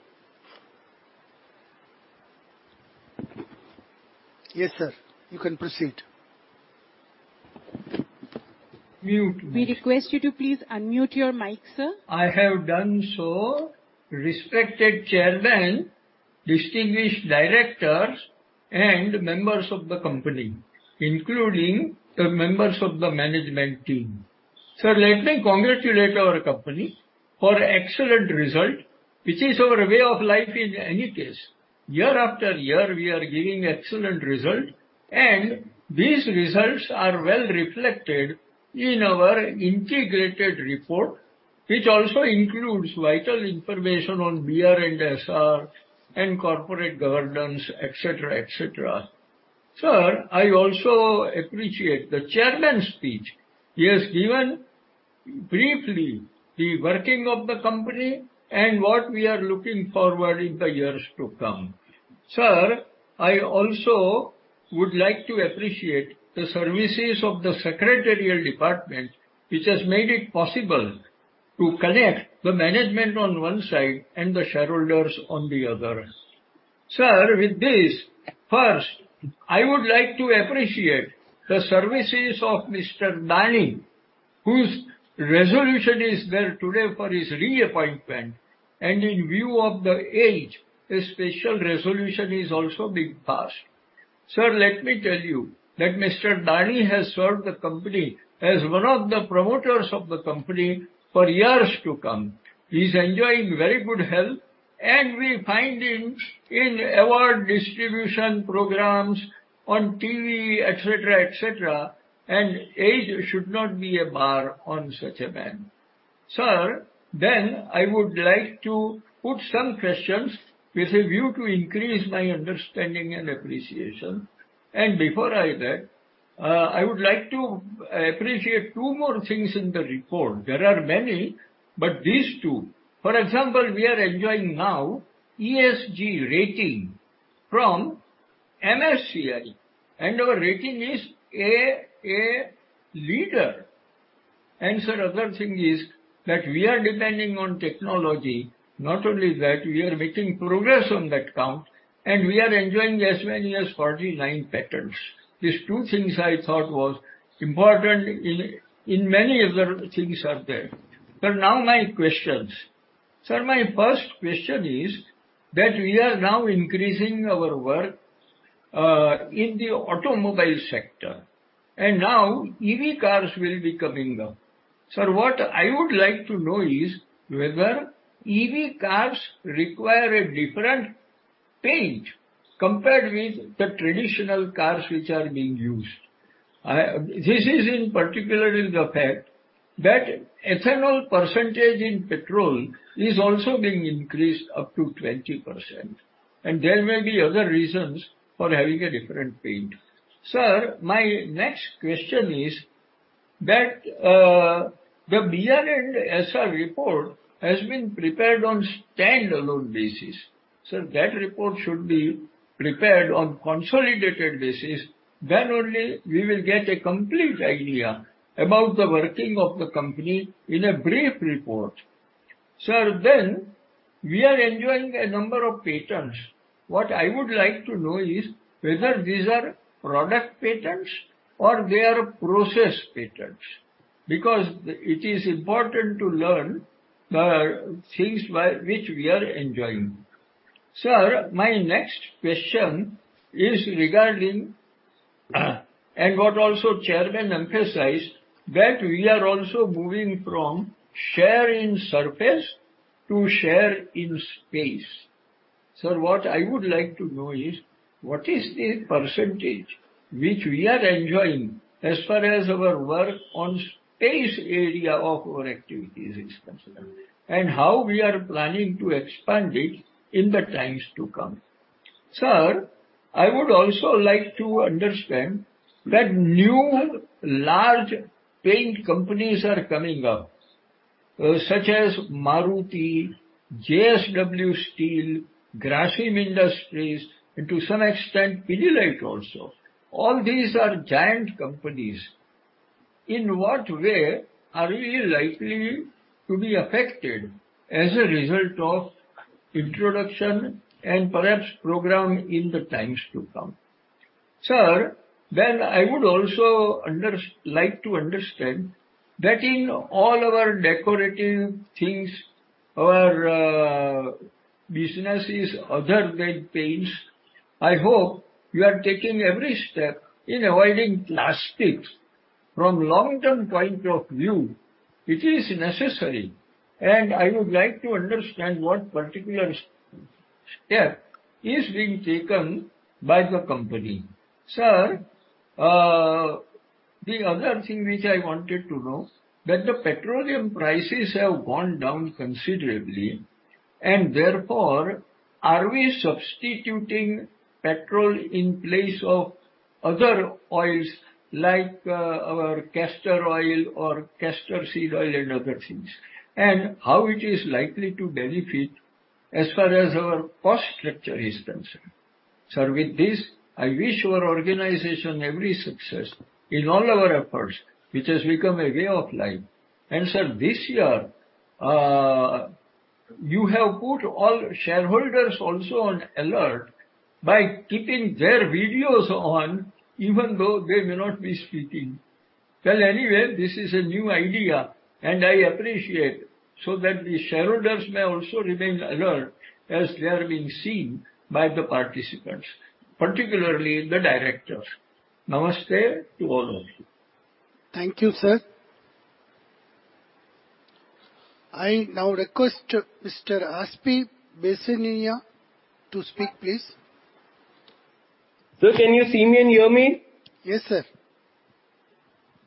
Yes, sir, you can proceed. Mute. We request you to please unmute your mic, sir. I have done so. Respected Chairman, distinguished directors, and members of the company, including the members of the management team. Let me congratulate our company for excellent result, which is our way of life in any case. Year after year, we are giving excellent result, and these results are well reflected in our integrated report, which also includes vital information on BRSR and corporate governance, et cetera, et cetera. I also appreciate the Chairman's speech. He has given briefly the working of the company and what we are looking forward in the years to come. I also would like to appreciate the services of the Secretarial Department, which has made it possible to connect the management on one side and the shareholders on the other. With this, first, I would like to appreciate the services of Mr. Dani, whose resolution is there today for his reappointment, and in view of the age, a special resolution is also being passed. Let me tell you that Mr. Dani has served the company as one of the promoters of the company for years to come. He's enjoying very good health, and we find him in award distribution programs, on TV, et cetera, et cetera, and age should not be a bar on such a man. I would like to put some questions with a view to increase my understanding and appreciation. Before I do that, I would like to appreciate two more things in the report. There are many, but these two. For example, we are enjoying now ESG rating from MSCI, and our rating is a leader. Sir, other thing is that we are depending on technology. Not only that, we are making progress on that count, and we are enjoying as many as 49 patents. These two things I thought was important in many other things are there. Now my questions. Sir, my first question is that we are now increasing our work in the automobile sector, and now EV cars will be coming up. Sir, what I would like to know is whether EV cars require a different paint compared with the traditional cars which are being used. This is in particular in the fact that ethanol percentage in petrol is also being increased up to 20%, and there may be other reasons for having a different paint. Sir, my next question is that the BR and SR report has been prepared on standalone basis. Sir, that report should be prepared on consolidated basis, then only we will get a complete idea about the working of the company in a brief report. Sir, we are enjoying a number of patents. What I would like to know is whether these are product patents or they are process patents, because it is important to learn things by which we are enjoying. Sir, my next question is regarding, and what also Chairman emphasized, that we are also moving from share in surface to share in space. Sir, what I would like to know is, what is the percentage which we are enjoying as far as our work on space area of our activities is concerned, and how we are planning to expand it in the times to come? Sir, I would also like to understand that new large paint companies are coming up, such as Maruti, JSW Paints, Grasim Industries, and to some extent, Pidilite also. All these are giant companies. In what way are we likely to be affected as a result of introduction and perhaps program in the times to come? Sir, I would also like to understand that in all our decorative things, our businesses, other than paints, I hope you are taking every step in avoiding plastics. From long-term point of view, it is necessary, and I would like to understand what particular step is being taken by the company. Sir, the other thing which I wanted to know, that the petroleum prices have gone down considerably, and therefore, are we substituting petrol in place of other oils, like, our castor oil or castor seed oil and other things, and how it is likely to benefit as far as our cost structure is concerned. Sir, with this, I wish your organization every success in all our efforts, which has become a way of life. Sir, this year, you have put all shareholders also on alert by keeping their videos on, even though they may not be speaking. Well, anyway, this is a new idea, and I appreciate, so that the shareholders may also remain alert as they are being seen by the participants, particularly the directors. Namaste to all of you. Thank you, sir. I now request Mr. Aspi Bhesania to speak, please. Sir, can you see me and hear me? Yes, sir.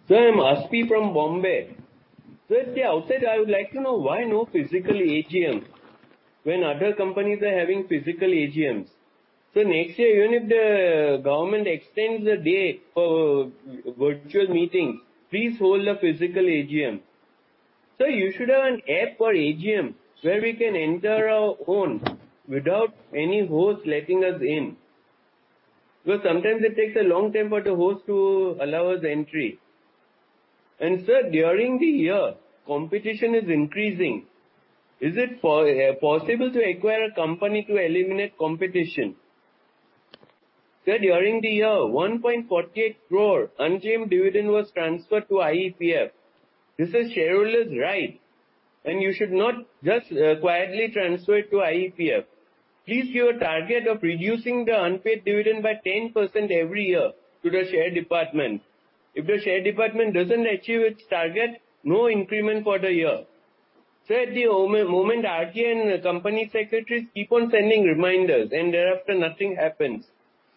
Sir, I'm Aspi from Bombay. Sir, yeah, outside I would like to know, why no physical AGM when other companies are having physical AGMs? Next year, even if the government extends the day for virtual meetings, please hold a physical AGM. Sir, you should have an app for AGM where we can enter our own without any host letting us in. Because sometimes it takes a long time for the host to allow us entry. Sir, during the year competition is increasing. Is it possible to acquire a company to eliminate competition? Sir, during the year 1.48 crore unclaimed dividend was transferred to IEPF. This is shareholder's right and you should not just quietly transfer it to IEPF. Please give a target of reducing the unpaid dividend by 10% every year to the share department. If the share department doesn't achieve its target, no increment for the year. Sir, at the moment, RTA and company secretaries keep on sending reminders and thereafter nothing happens.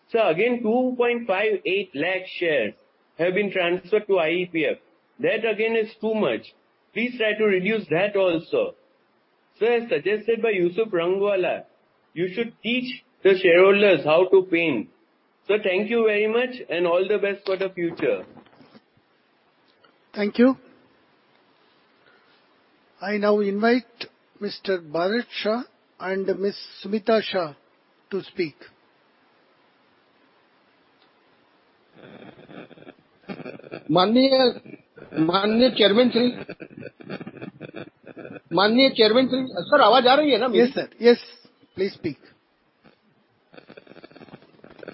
Sir, again, 2.58 lakh shares have been transferred to IEPF. That again is too much. Please try to reduce that also. Sir, as suggested by Yusuf Yunus Rangwala, you should teach the shareholders how to paint. Sir, thank you very much and all the best for the future. Thank you. I now invite Mr. Bharat Shah and Miss Smita Shah to speak. माननीय Chairman Shri, sir आवाज आ रही है ना? Yes sir, yes, please speak.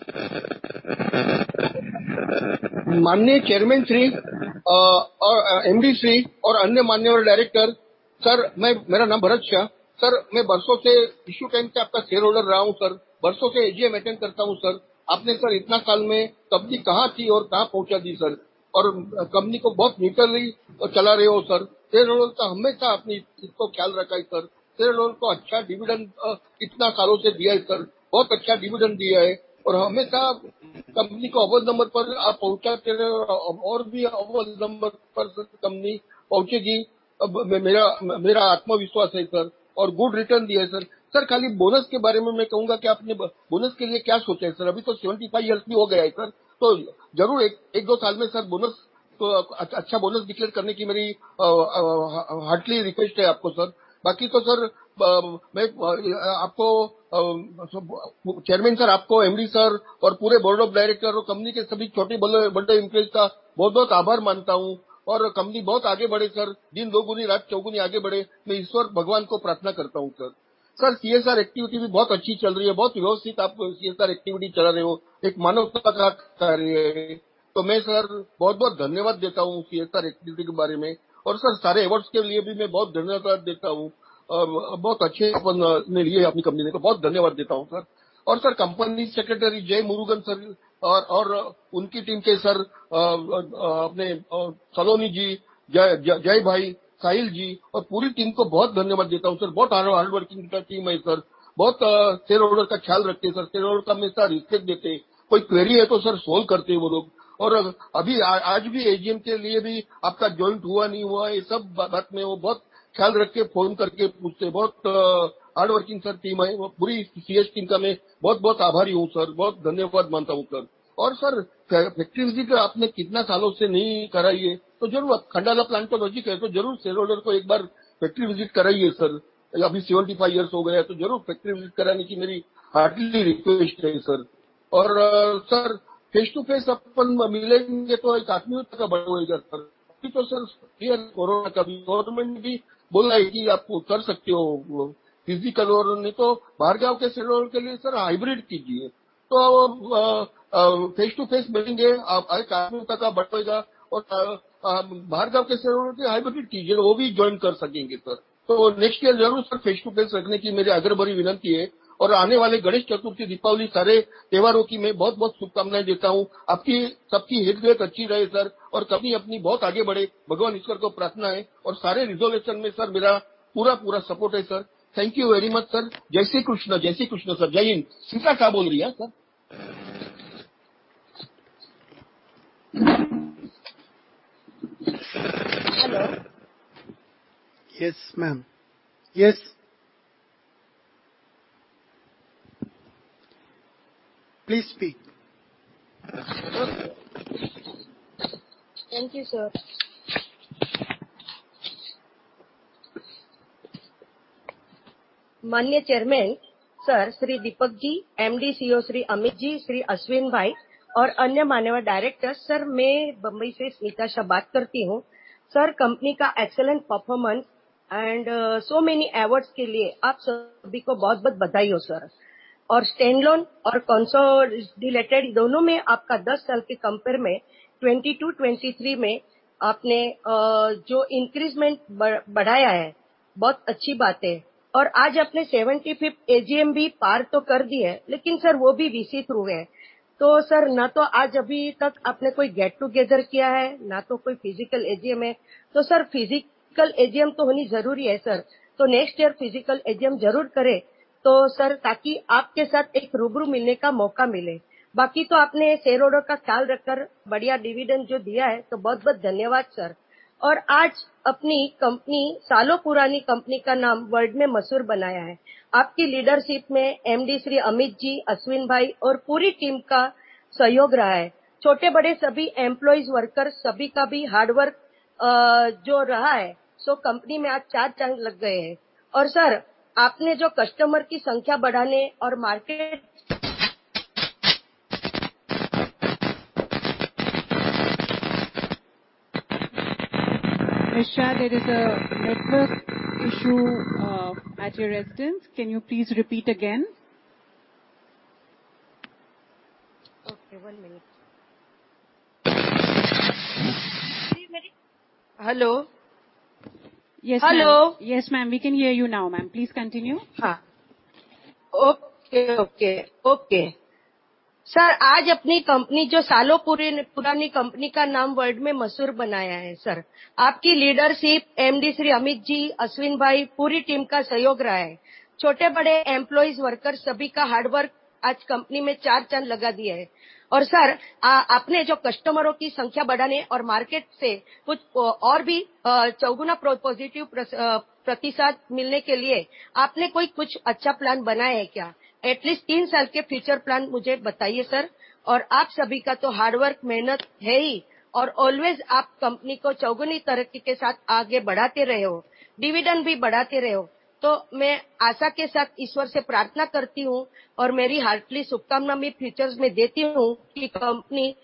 माननीय Chairman Shri, MD Shri और अन्य माननीय Director. Sir, मैं मेरा नाम Bharat Shah. Sir, मैं बरसों से इश्यू टाइम का आपका shareholder रहा हूं, Sir. बरसों से AGM अटेंड करता हूं, Sir. आपने Sir इतना साल में कंपनी कहां थी और कहां पहुंचा दी, Sir और कंपनी को बहुत neutral ही चला रहे हो, Sir. Shareholder का हमेशा अपनी इसको ख्याल रखा है, Sir. Shareholder को अच्छा dividend इतना सालों से दिया है Sir. बहुत अच्छा dividend दिया है और हमेशा कंपनी को अव्वल नंबर पर आप पहुंचाते रहे हो और भी अव्वल नंबर पर कंपनी पहुंचेगी. अब मेरा आत्मविश्वास है Sir और good return दिया है Sir. Sir, खाली bonus के बारे में मैं कहूंगा कि आपने bonus के लिए क्या सोचा है Sir. अभी तो 75 years भी हो गया है Sir तो जरूर 1-2 साल में Sir bonus तो अच्छा bonus declare करने की मेरी heartily request है आपको Sir. बाकी तो Sir मैं आपको Chairman Sir, आपको MD Sir और पूरे Board of Director और कंपनी के सभी छोटे-बड़े employee का बहुत-बहुत आभार मानता हूं और कंपनी बहुत आगे बढ़े. Sir दिन दोगुनी, रात चौगुनी आगे बढ़े, मैं ईश्वर भगवान को प्रार्थना करता हूं Sir. Sir, CSR activity भी Thank you very much Sir. Jai Shri Krishna, Jai Shri Krishna Sir, Jai Hind! Smita क्या बोल रही है sir? Yes, ma'am, yes. Please speak. Thank you, sir. माननीय Chairman sir, Mr. Deepak Satwalekar, MD CEO Mr. Amit Syngle, Mr. Ashwin Dani और अन्य माननीय Director. Sir, मैं Mumbai से Smita Shah बात करती हूं. सर, company का excellent performance and so many awards के लिए आप सभी को बहुत-बहुत बधाई हो सर. Standalone और consolidated दोनों में आपका 10 साल के compare में 2022, 2023 में आपने जो increment बढ़ाया है, बहुत अच्छी बात है. आज आपने 75th AGM भी पार तो कर दी है, लेकिन सर वो भी VC through है. ना तो आज अभी तक आपने कोई get-together किया है, ना तो कोई physical AGM है, तो सर physical AGM तो होनी जरूरी है sir. Next year physical AGM जरूर करें, तो सर ताकि आपके साथ एक रूबरू मिलने का मौका मिले. बाकी तो आपने shareholder का ख्याल रखकर बढ़िया dividend जो दिया है, तो बहुत-बहुत धन्यवाद सर. आज अपनी company सालों पुरानी company का नाम world में मशहूर बनाया है. आपकी leadership में MD Mr. Amit Syngle, Mr. Ashwin Dani और पूरी team का सहयोग रहा है. छोटे बड़े सभी employee worker सभी का भी hard work- जो रहा है, कंपनी में आज 4 चांद लग गए हैं। सर, आपने जो कस्टमर की संख्या बढ़ाने और market There is a network issue, at your residence. Can you please repeat again? Okay, one minute. Hello! Yes, hello. Yes, ma'am. We can hear you now, ma'am. Please continue. Okay, okay. Sir, आज अपनी company जो सालों पुरानी company का नाम world में मशहूर बनाया है, सर। आपकी leadership MD Shri Amit ji, Ashwin bhai, पूरी team का सहयोग रहा है। छोटे-बड़े employees, workers सभी का hard work आज कंपनी में चार चांद लगा दिया है। सर, आपने जो customers की संख्या बढ़ाने और market से कुछ और भी 4x positive प्रतिसाद मिलने के लिए आपने कोई कुछ अच्छा plan बनाया है क्या? At least 3 साल के फ्यूचर प्लान मुझे बताइए सर. आप सभी का तो हार्ड वर्क मेहनत है ही और always आप कंपनी को चौगुनी तरक्की के साथ आगे बढ़ाते रहे हो, dividend भी बढ़ाते रहे हो. मैं आशा के साथ ईश्वर से प्रार्थना करती हूं और मेरी heartily शुभकामनाएं भी future में देती हूं कि कंपनी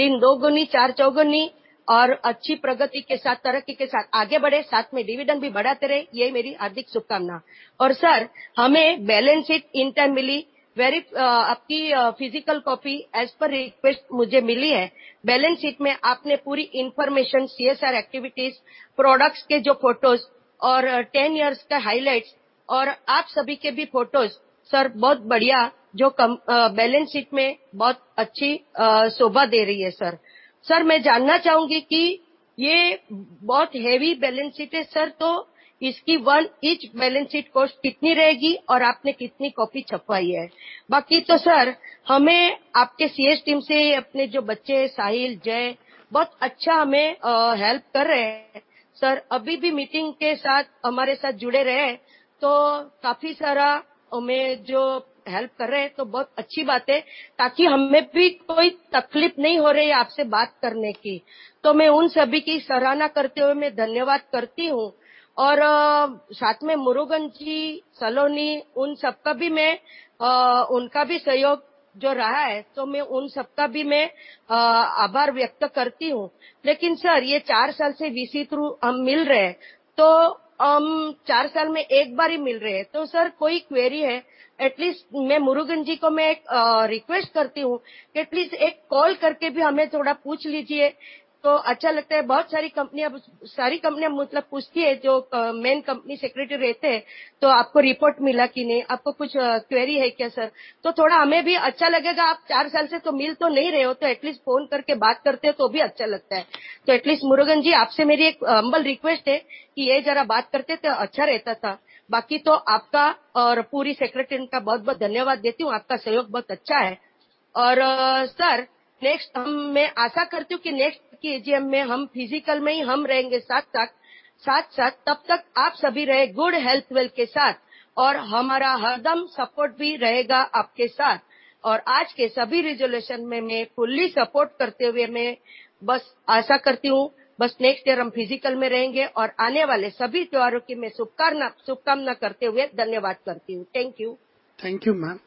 दिन दोगुनी, चार चौगुनी और अच्छी प्रगति के साथ, तरक्की के साथ आगे बढ़े, साथ में dividend भी बढ़ाते रहे, यह मेरी हार्दिक शुभकामनाएं. सर, हमें बैलेंस शीट इंटर मिली, very आपकी physical copy as per request मुझे मिली है. बैलेंस शीट में आपने पूरी information, CSR activities, products के जो photos और 10 years का highlights और आप सभी के भी photos, सर बहुत बढ़िया, जो कम, बैलेंस शीट में बहुत अच्छी शोभा दे रही है सर. सर, मैं जानना चाहूंगी कि यह बहुत heavy बैलेंस शीट है सर, तो इसकी one each balance sheet cost कितनी रहेगी? आपने कितनी कॉपी छपवाई है? सर, हमें आपके CS टीम से अपने जो बच्चे Sahil Makkar, Jai बहुत अच्छा हमें हेल्प कर रहे हैं। सर, अभी भी मीटिंग के साथ हमारे साथ जुड़े रहे तो काफी सारा हमें जो हेल्प कर रहे हैं तो बहुत अच्छी बात है। ताकि हमें भी कोई तकलीफ नहीं हो रही है आपसे बात करने की, तो मैं उन सभी की सराहना करते हुए मैं धन्यवाद करती हूं और साथ में Murugan, Saloni Arona उन सबका भी मैं उनका भी सहयोग जो रहा है तो मैं उन सबका भी मैं आभार व्यक्त करती हूं। सर, यह 4 साल से VC थ्रू हम मिल रहे हैं तो हम 4 साल में 1 बार ही मिल रहे हैं। सर, कोई क्वेरी है, एटलिस्ट मैं Murugan को मैं 1 रिक्वेस्ट करती हूं कि प्लीज 1 कॉल करके भी हमें थोड़ा पूछ लीजिए तो अच्छा लगता है। बहुत सारी कंपनियां, सारी कंपनियां मतलब पूछती है, जो मेन कंपनी सेक्रेटरी रहते हैं, तो आपको रिपोर्ट मिला कि नहीं? आपको कुछ query है क्या सर? थोड़ा हमें भी अच्छा लगेगा। आप 4 साल से तो मिल तो नहीं रहे हो तो at least फोन करके बात करते हैं तो भी अच्छा लगता है। At least Murugan ji, आपसे मेरी एक humble request है कि यह जरा बात करते तो अच्छा रहता था। बाकी तो आपका और पूरी secretary का बहुत-बहुत धन्यवाद देती हूं। आपका सहयोग बहुत अच्छा है सर, next, मैं आशा करती हूं कि next की AGM में हम physical में ही हम रहेंगे साथ-साथ। तब तक आप सभी रहे good health well के साथ और हमारा हरदम सपोर्ट भी रहेगा आपके साथ। आज के सभी resolution में मैं fully सपोर्ट करते हुए, मैं बस आशा करती हूं बस next year हम physical में रहेंगे और आने वाले सभी त्योहारों की मैं शुभकामनाएं करते हुए धन्यवाद करती हूं। Thank you. Thank you ma'am.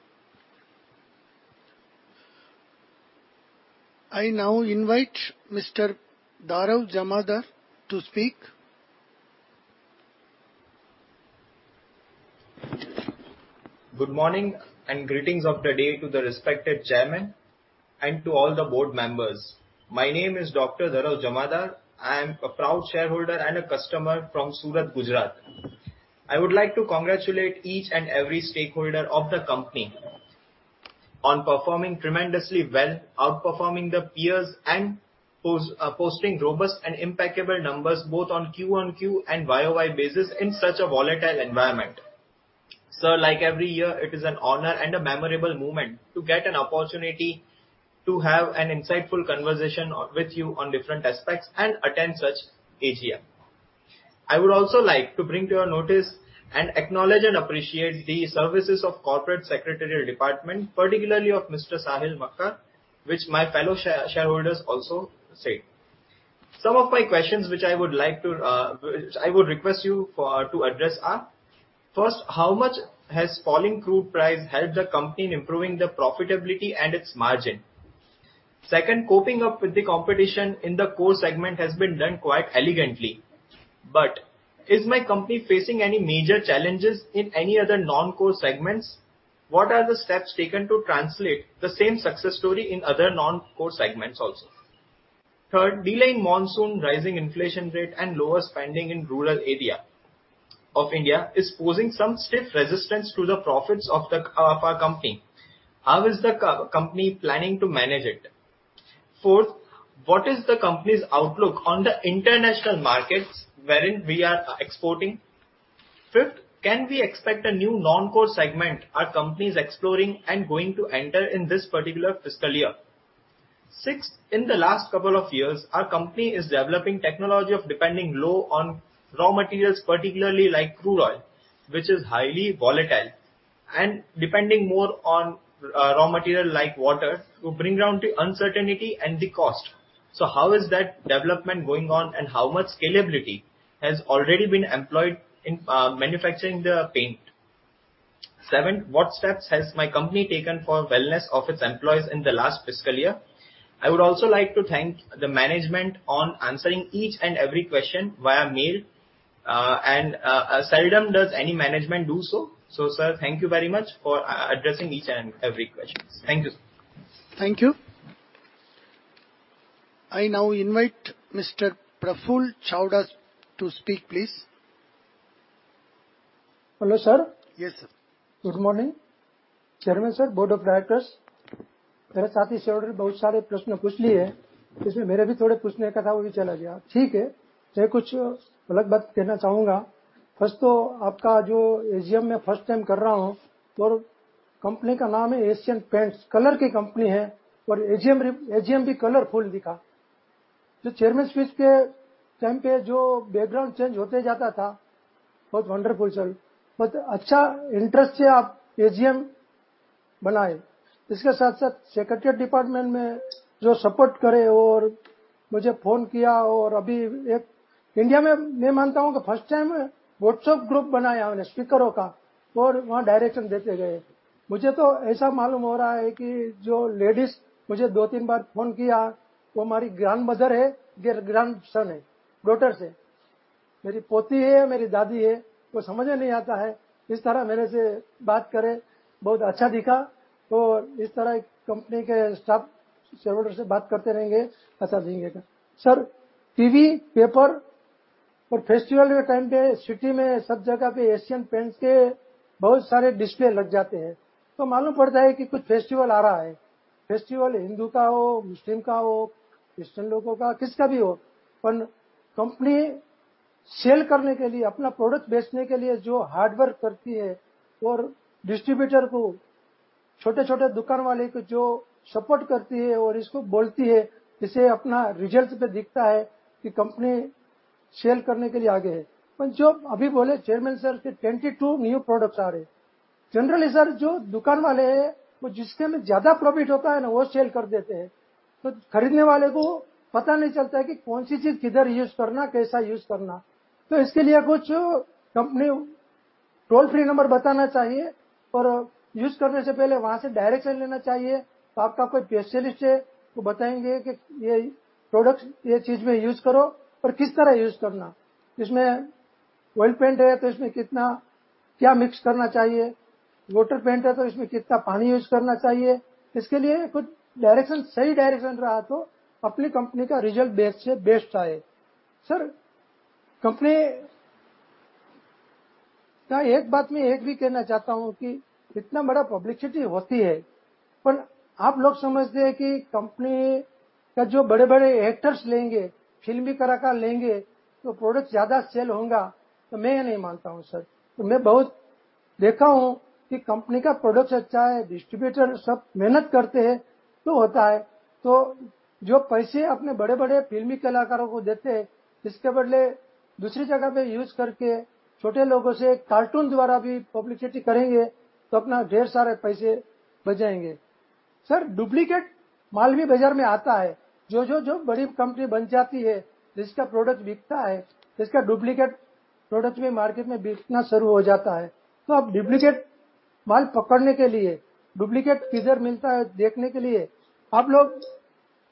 I now invite Mr. Dharav Jamadar to speak. Good morning and greetings of the day to the respected chairman and to all the board members. My name is Dr. Dharav Jamadar. I am a proud shareholder and a customer from Surat, Gujarat. I would like to congratulate each and every stakeholder of the company on performing tremendously well, outperforming the peers and posting robust and impeccable numbers both on Q on Q and YOY basis in such a volatile environment. Sir, like every year, it is an honor and a memorable moment to get an opportunity to have an insightful conversation with you on different aspects and attend such AGM. I would also like to bring to your notice and acknowledge and appreciate the services of Corporate Secretariat Department, particularly of Mr. Sahil Makkar, which my fellow shareholders also said. Some of my questions which I would like to, I would request you for to address are, first, how much has falling crude price helped the company in improving the profitability and its margin? Second, coping up with the competition in the core segment has been done quite elegantly, but is my company facing any major challenges in any other non-core segments? What are the steps taken to translate the same success story in other non-core segments also? Third, delaying monsoon, rising inflation rate and lower spending in rural area of India is posing some stiff resistance to the profits of our company. How is the company planning to manage it? Fourth, what is the company's outlook on the international markets wherein we are exporting? Fifth, can we expect a new non-core segment our company is exploring and going to enter in this particular fiscal year? Sixth, in the last couple of years, our company is developing technology of depending low on raw materials, particularly like crude oil, which is highly volatile. Depending more on raw material like water to bring down the uncertainty and the cost. How is that development going on, and how much scalability has already been employed in manufacturing the paint? Seven, what steps has my company taken for wellness of its employees in the last fiscal year? I would also like to thank the management on answering each and every question via mail, and seldom does any management do so. Sir, thank you very much for addressing each and every question. Thank you. Thank you. I now invite Mr. Prafull Chawda to speak, please. Hello, sir. Yes, sir. नहीं चलता है कि कौन सी चीज किधर use करना है, कैसा use करना है। इसके लिए कुछ कंपनी toll-free number बताना चाहिए और use करने से पहले वहां से direction लेना चाहिए। आपका कोई specialist है, वो बताएंगे कि यह product, यह चीज में use करो और किस तरह use करना है। इसमें oil paint है तो इसमें कितना क्या mix करना चाहिए । Water paint है तो इसमें कितना पानी use करना चाहिए। इसके लिए कुछ direction, सही direction रहा, तो अपनी कंपनी का result best से best आएगा। सर, कंपनी का एक बात मैं यह भी कहना चाहता हूं कि इतना बड़ा publicity होती है, पर आप लोग समझते हैं कि कंपनी का जो बड़े-बड़े actors लेंगे, film artists लेंगे, तो product ज्यादा sell होगा, तो मैं नहीं मानता हूं सर। मैं बहुत देखा हूं कि कंपनी का product अच्छा है, distributors सब मेहनत करते हैं तो होता है। जो पैसे अपने बड़े-बड़े film artists को देते हैं, इसके बदले दूसरी जगह पर use करके छोटे लोगों से cartoon द्वारा भी publicity करेंगे, तो अपना ढेर सारा पैसे बच जाएंगे। सर, duplicate goods भी बाजार में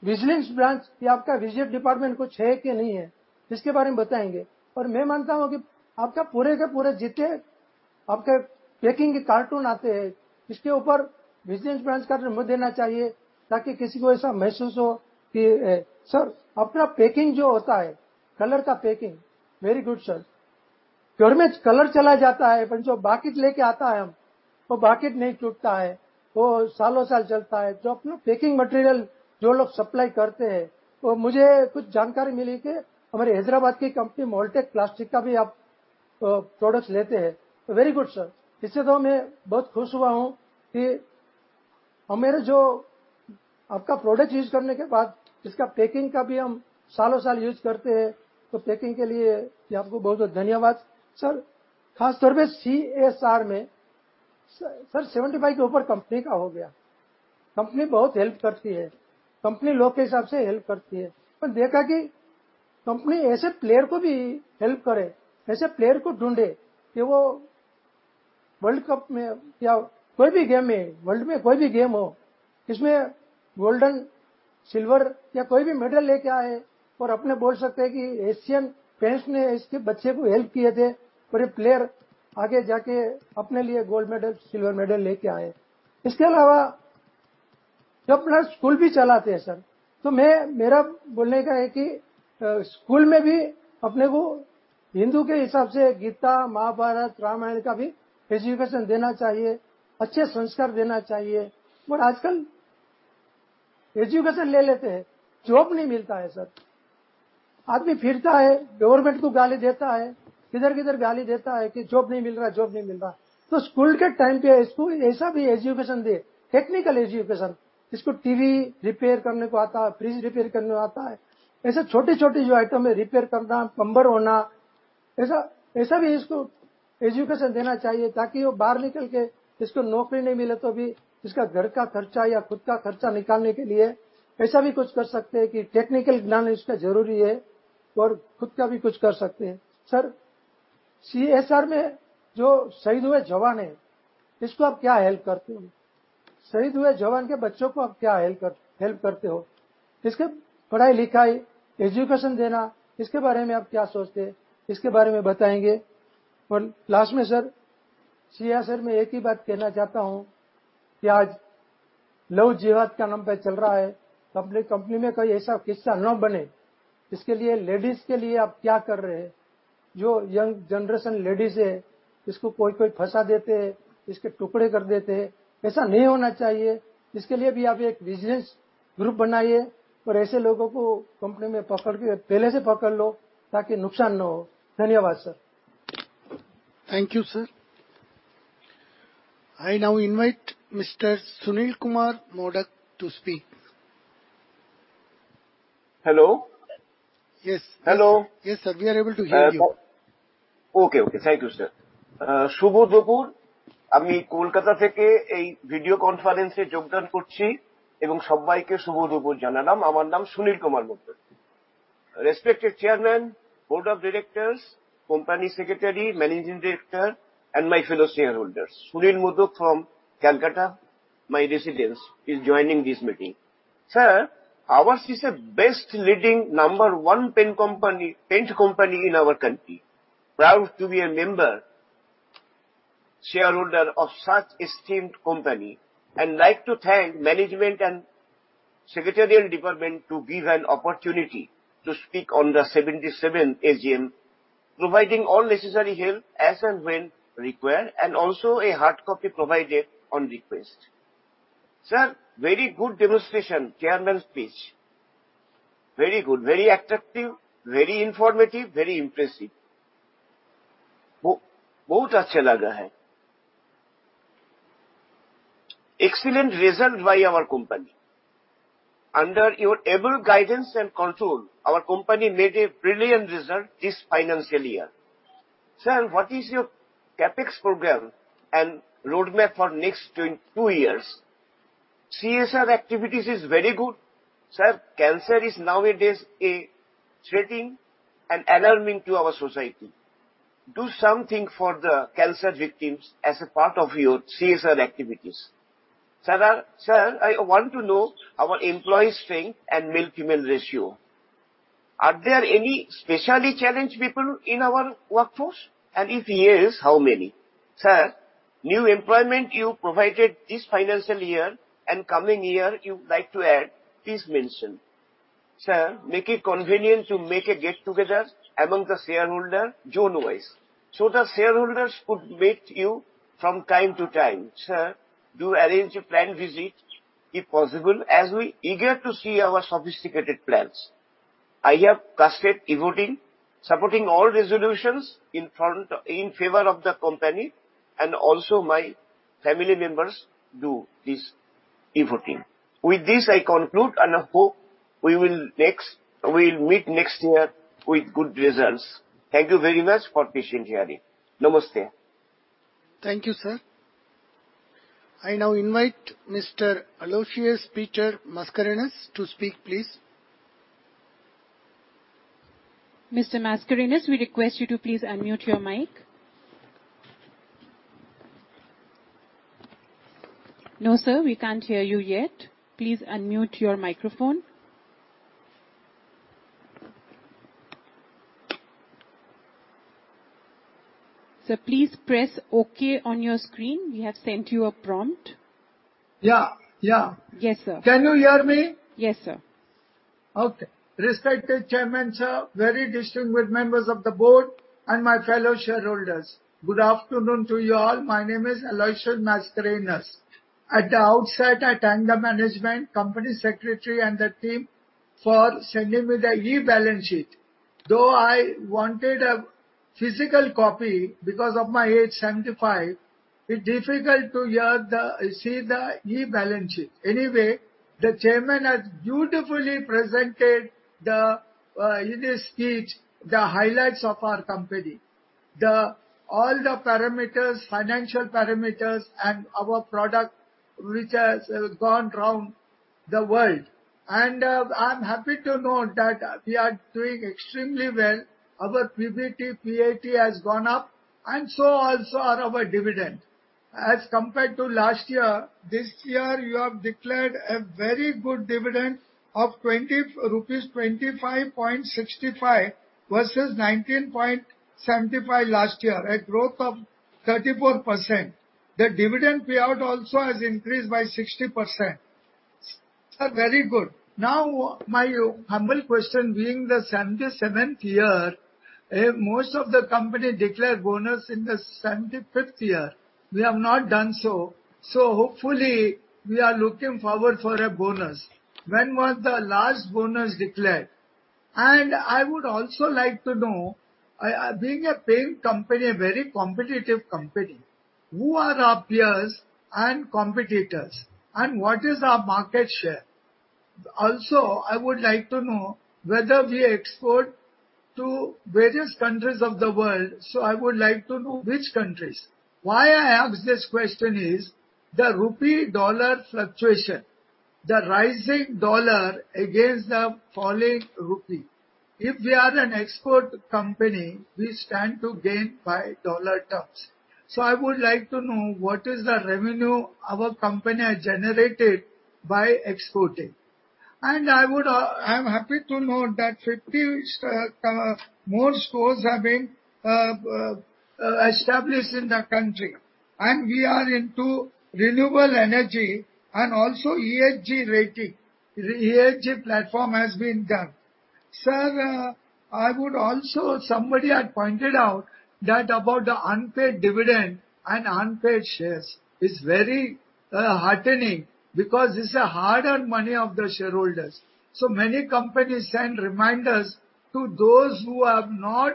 आता है। जो बड़ी कंपनी बन जाती है, जिसका product बिकता है, उसका duplicate product भी market में बिकना शुरू हो जाता है। अब duplicate goods पकड़ने के लिए, duplicate किधर मिलता है, देखने के लिए आप लोग Vigilance Branch या आपका Vigil Department कुछ है कि नहीं है, इसके बारे में बताएंगे? मैं मानता हूं कि आपका पूरे के पूरे जितने आपके पैकिंग के कार्टून आते हैं, इसके ऊपर विजिलेंस ब्रांच का नाम देना चाहिए, ताकि किसी को ऐसा महसूस हो कि। सर, अपना पैकिंग जो होता है, कलर का packing very good sir. Colour चला जाता है, पर जो बाकेट लेकर आता है हम, वो बाकेट नहीं टूटता है, वो सालों साल चलता है। जो अपना पैकिंग मटेरियल जो लोग सप्लाई करते हैं, वो मुझे कुछ जानकारी मिली कि हमारी हैदराबाद की कंपनी Mold-Tek प्लास्टिक का भी आप प्रोडक्ट लेते हैं। Very good sir! इससे मैं बहुत खुश हुआ हूं कि हमने जो आपका प्रोडक्ट use करने के बाद, इसका पैकिंग का भी हम सालों साल use करते हैं, पैकिंग के लिए आपको बहुत-बहुत धन्यवाद। Sir, खासतौर पर CSR में, Sir 75 के ऊपर कंपनी का हो गया। कंपनी बहुत help करती है, कंपनी लोग के हिसाब से help करती है, देखा कि कंपनी ऐसे प्लेयर को भी help करें। ऐसे प्लेयर को ढूंढें कि वो World Cup में या कोई भी गेम में, world में कोई भी गेम हो, जिसमें golden, silver या कोई भी medal लेकर आए अपने बोल सकते हैं कि Asian Paints ने इसके बच्चे को help किए थे और ये प्लेयर आगे जाकर अपने लिए Gold Medal, Silver Medal लेकर आए। इसके अलावा जब अपना स्कूल भी चलाते हैं Sir, मैं, मेरा बोलने का है कि स्कूल में भी अपने को हिंदू के हिसाब से Gita, Mahabharata, Ramayana का भी education देना चाहिए। अच्छे sanskar देना चाहिए। आजकल education ले लेते हैं, job नहीं मिलता है Sir. आदमी फिरता है, government को गाली देता है, इधर-किधर गाली देता है कि job नहीं मिल रहा, job नहीं मिल रहा। स्कूल के टाइम पर स्कूल ऐसा भी education दे, technical education, जिसको TV repair करने को आता हो, fridge repair करने आता है। ऐसे छोटी-छोटी जो item है, repair करना, plumber होना।... ऐसा भी इसको education देना चाहिए ताकि वो बाहर निकल के इसको नौकरी नहीं मिले तो भी, इसका घर का खर्चा या खुद का खर्चा निकालने के लिए ऐसा भी कुछ कर सकते हैं कि technical gyan इसका जरूरी है और खुद का भी कुछ कर सकते हैं। Sir, CSR में जो शहीद हुए जवान हैं, इसको आप क्या help करते हैं? शहीद हुए जवान के बच्चों को आप क्या help करते हो? इसके पढ़ाई-लिखाई, education देना, इसके बारे में आप क्या सोचते हैं? इसके बारे में बताएंगे? Last में Sir, CSR में एक ही बात कहना चाहता हूं कि आज Love Jihad का नाम पर चल रहा है। अपनी कंपनी में कोई ऐसा किस्सा न बने, इसके लिए ladies के लिए आप क्या कर रहे हैं? जो यंग जनरेशन लेडीज है, इसको कोई-कोई फंसा देते हैं, इसके टुकड़े कर देते हैं। ऐसा नहीं होना चाहिए। इसके लिए भी आप एक बिजनेस ग्रुप बनाइए और ऐसे लोगों को कंपनी में पकड़ के पहले से पकड़ लो ताकि नुकसान न हो। धन्यवाद, sir. Thankyou sir। I now invite Mr. Sunil Kumar Modak to speak. Hello! Yes. Hello. Yes, sir, we are able to hear you. Okay, okay. Thank you, sir. শুভ दोपहर, আমি কলকাতা থেকে এই ভিডিও কনফারেন্সে যোগদান করছি এবং সব্বাইকে শুভ দুপুর জানালাম। আমার নাম Sunil Kumar Modak. Respected Chairman, Board of Directors, Company Secretary, Managing Director and my fellow shareholders. Sunil Modak from Calcutta. My residence is joining this meeting. Sir, ours is a best leading number one paint company in our country. Proud to be a member, shareholder of such esteemed company and like to thank management and secretarial department to give an opportunity to speak on the 77th AGM, providing all necessary help as and when required, also a hard copy provided on request. Sir, very good demonstration, Chairman speech. Very good, very attractive, very informative, very impressive. बहुत अच्छा लगा है। Excellent result by our company. Under your able guidance and control, our company made a brilliant result this financial year. Sir, what is your CapEx program and roadmap for next 2 years? CSR activities is very good. Sir, cancer is nowadays a threatening and alarming to our society. Do something for the cancer victims as a part of your CSR activities. Sir, I want to know our employee strength and male, female ratio. Are there any specially challenged people in our workforce? If yes, how many? Sir, new employment you provided this financial year and coming year you would like to add, please mention. Sir, make it convenient to make a get together among the shareholder zone wise, so the shareholders could meet you from time to time. Sir, do arrange a plant visit if possible, as we eager to see our sophisticated plants. I have casted e-voting, supporting all resolutions in favor of the company, and also my family members do this e-voting. With this, I conclude and hope we will meet next year with good results. Thank you very much for patient hearing. नमस्ते. Thank you, sir. I now invite Mr. Aloysius Peter Mascarenhas to speak, please. Mr. Mascarenhas, we request you to please unmute your mic. No, sir, we can't hear you yet. Please unmute your microphone. Sir, please press O.K. on your screen. We have sent you a prompt. Yeah, yeah. Yes, sir. Can you hear me? Yes, sir. Okay. Respected Chairman, sir, very distinguished members of the board and my fellow shareholders. Good afternoon to you all. My name is Aloysius Mascarenhas. At the outset, I thank the management, company secretary, and the team for sending me the e-balance sheet, though I wanted a physical copy because of my age, 75, it's difficult to see the e-balance sheet. The Chairman has beautifully presented in his speech the highlights of our company, all the parameters, financial parameters, and our product, which has gone round the world. I'm happy to know that we are doing extremely well. Our PBT, PAT has gone up, so also are our dividend. As compared to last year, this year you have declared a very good dividend of 20 rupees, 25.65 versus 19.75 last year, a growth of 34%. The dividend payout also has increased by 60%. Sir, very good. My humble question, being the 77th year, most of the company declare bonus in the 75th year. We have not done so. Hopefully we are looking forward for a bonus. When was the last bonus declared? I would also like to know, being a paint company, a very competitive company, who are our peers and competitors, and what is our market share? I would like to know whether we export to various countries of the world, I would like to know which countries. Why I ask this question is, the rupee-dollar fluctuation, the rising dollar against the falling rupee. If we are an export company, we stand to gain by dollar terms. I would like to know what is the revenue our company has generated by exporting. I would, I'm happy to know that 50 more stores have been established in the country, and we are into renewable energy and also ESG rating. The ESG platform has been done. Sir, somebody had pointed out that about the unpaid dividend and unpaid shares. It's very heartening, because this is the hard-earned money of the shareholders. Many companies send reminders to those who have not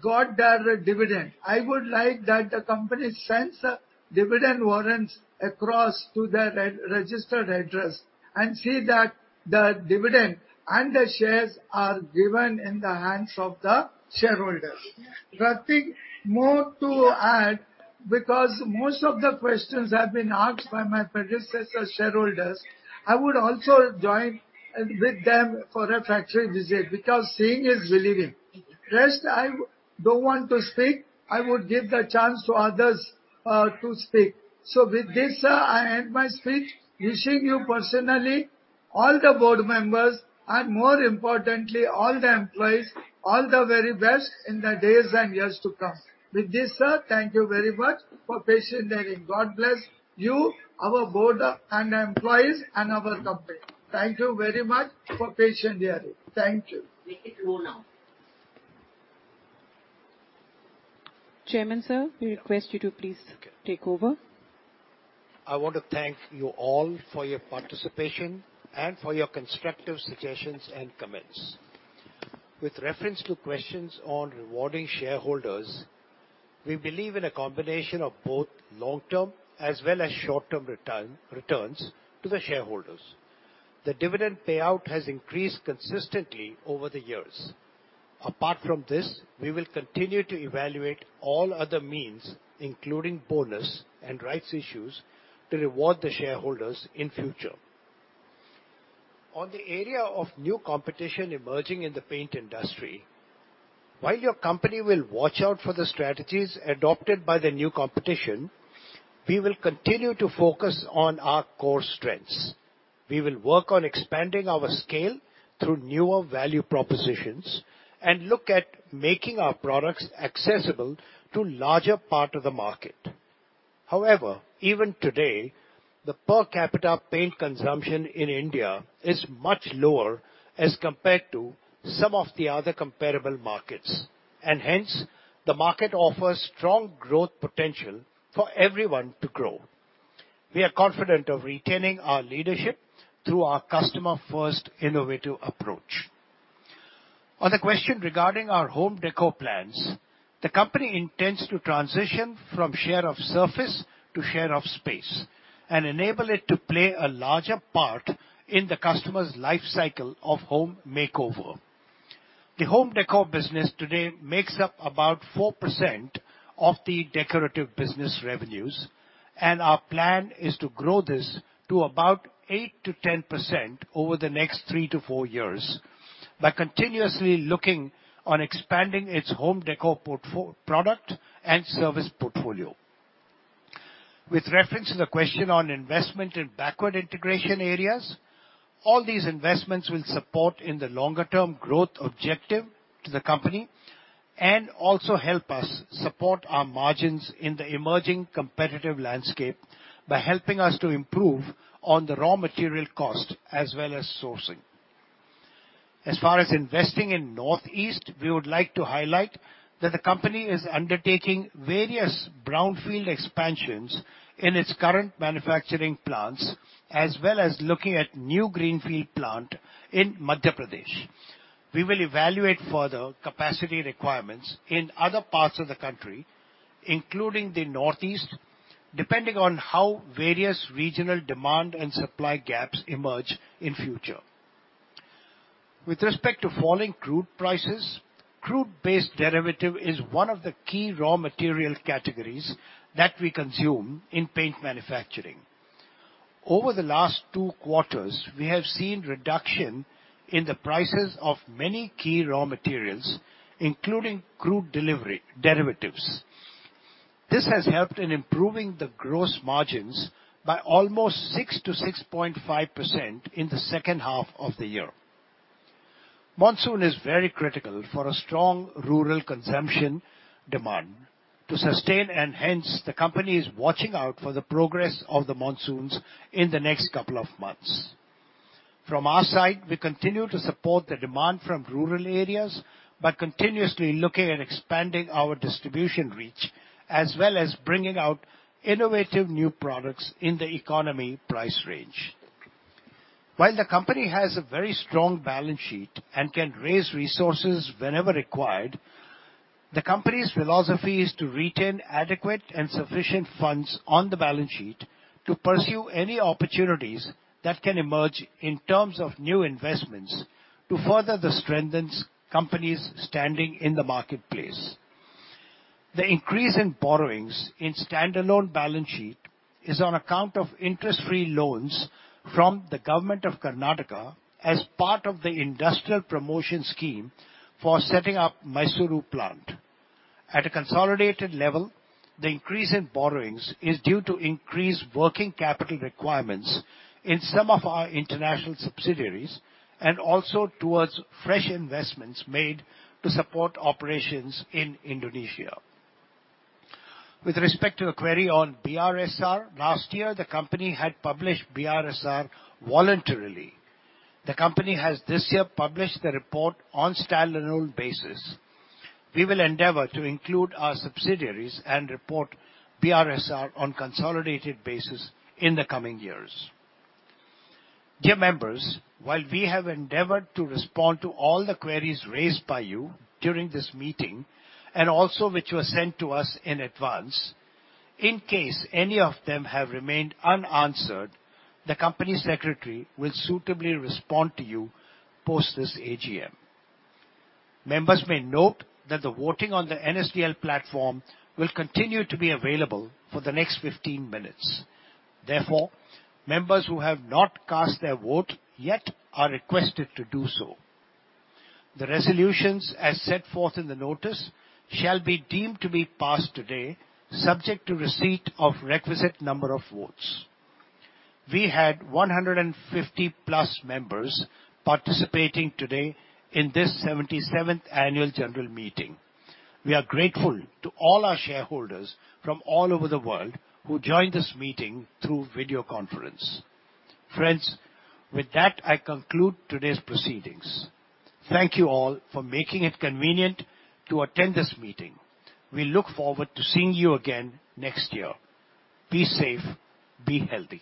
got their dividend. I would like that the company sends the dividend warrants across to their re-registered address and see that the dividend and the shares are given in the hands of the shareholders. Pratik, more to add, because most of the questions have been asked by my predecessor shareholders, I would also join with them for a factory visit, because seeing is believing. Rest, I don't want to speak. I would give the chance to others to speak. With this, sir, I end my speech, wishing you personally, all the board members, and more importantly, all the employees, all the very best in the days and years to come. With this, sir, thank you very much for patient hearing. God bless you, our board, and the employees, and our company. Thank you very much for patient hearing. Thank you. Make it low now. Chairman, sir, we request you to please take over. I want to thank you all for your participation and for your constructive suggestions and comments. With reference to questions on rewarding shareholders, we believe in a combination of both long-term as well as short-term return, returns to the shareholders. The dividend payout has increased consistently over the years. Apart from this, we will continue to evaluate all other means, including bonus and rights issues, to reward the shareholders in future. On the area of new competition emerging in the paint industry, while your company will watch out for the strategies adopted by the new competition, we will continue to focus on our core strengths. We will work on expanding our scale through newer value propositions and look at making our products accessible to larger part of the market. However, even today, the per capita paint consumption in India is much lower as compared to some of the other comparable markets, and hence, the market offers strong growth potential for everyone to grow. We are confident of retaining our leadership through our customer-first innovative approach. On the question regarding our home decor plans, the company intends to transition from share of surface to share of space, and enable it to play a larger part in the customer's life cycle of home makeover. The home decor business today makes up about 4% of the decorative business revenues, and our plan is to grow this to about 8%-10% over the next 3-4 years by continuously looking on expanding its home decor product and service portfolio. With reference to the question on investment in backward integration areas, all these investments will support in the longer-term growth objective to the company and also help us support our margins in the emerging competitive landscape by helping us to improve on the raw material cost as well as sourcing. As far as investing in Northeast, we would like to highlight that the company is undertaking various brownfield expansions in its current manufacturing plants, as well as looking at new greenfield plant in Madhya Pradesh. We will evaluate further capacity requirements in other parts of the country, including the Northeast, depending on how various regional demand and supply gaps emerge in future. With respect to falling crude prices, crude-based derivative is one of the key raw material categories that we consume in paint manufacturing. Over the last 2 quarters, we have seen reduction in the prices of many key raw materials, including crude delivery, derivatives. This has helped in improving the gross margins by almost 6%-6.5% in the second half of the year. Hence, the company is watching out for the progress of the monsoons in the next couple of months. From our side, we continue to support the demand from rural areas by continuously looking at expanding our distribution reach, as well as bringing out innovative new products in the economy price range. While the company has a very strong balance sheet and can raise resources whenever required. The company's philosophy is to retain adequate and sufficient funds on the balance sheet to pursue any opportunities that can emerge in terms of new investments to further the strengthens company's standing in the marketplace. The increase in borrowings in standalone balance sheet is on account of interest-free loans from the Government of Karnataka as part of the industrial promotion scheme for setting up Mysuru plant. At a consolidated level, the increase in borrowings is due to increased working capital requirements in some of our international subsidiaries and also towards fresh investments made to support operations in Indonesia. With respect to a query on BRSR, last year, the company had published BRSR voluntarily. The company has this year published the report on standalone basis. We will endeavor to include our subsidiaries and report BRSR on consolidated basis in the coming years. Dear members, while we have endeavored to respond to all the queries raised by you during this meeting, and also which were sent to us in advance, in case any of them have remained unanswered, the company secretary will suitably respond to you post this AGM. Members may note that the voting on the NSDL platform will continue to be available for the next 15 minutes. Members who have not cast their vote yet are requested to do so. The resolutions as set forth in the notice shall be deemed to be passed today, subject to receipt of requisite number of votes. We had 150+ members participating today in this 77th annual general meeting. We are grateful to all our shareholders from all over the world who joined this meeting through video conference. Friends, with that, I conclude today's proceedings. Thank you all for making it convenient to attend this meeting. We look forward to seeing you again next year. Be safe, be healthy.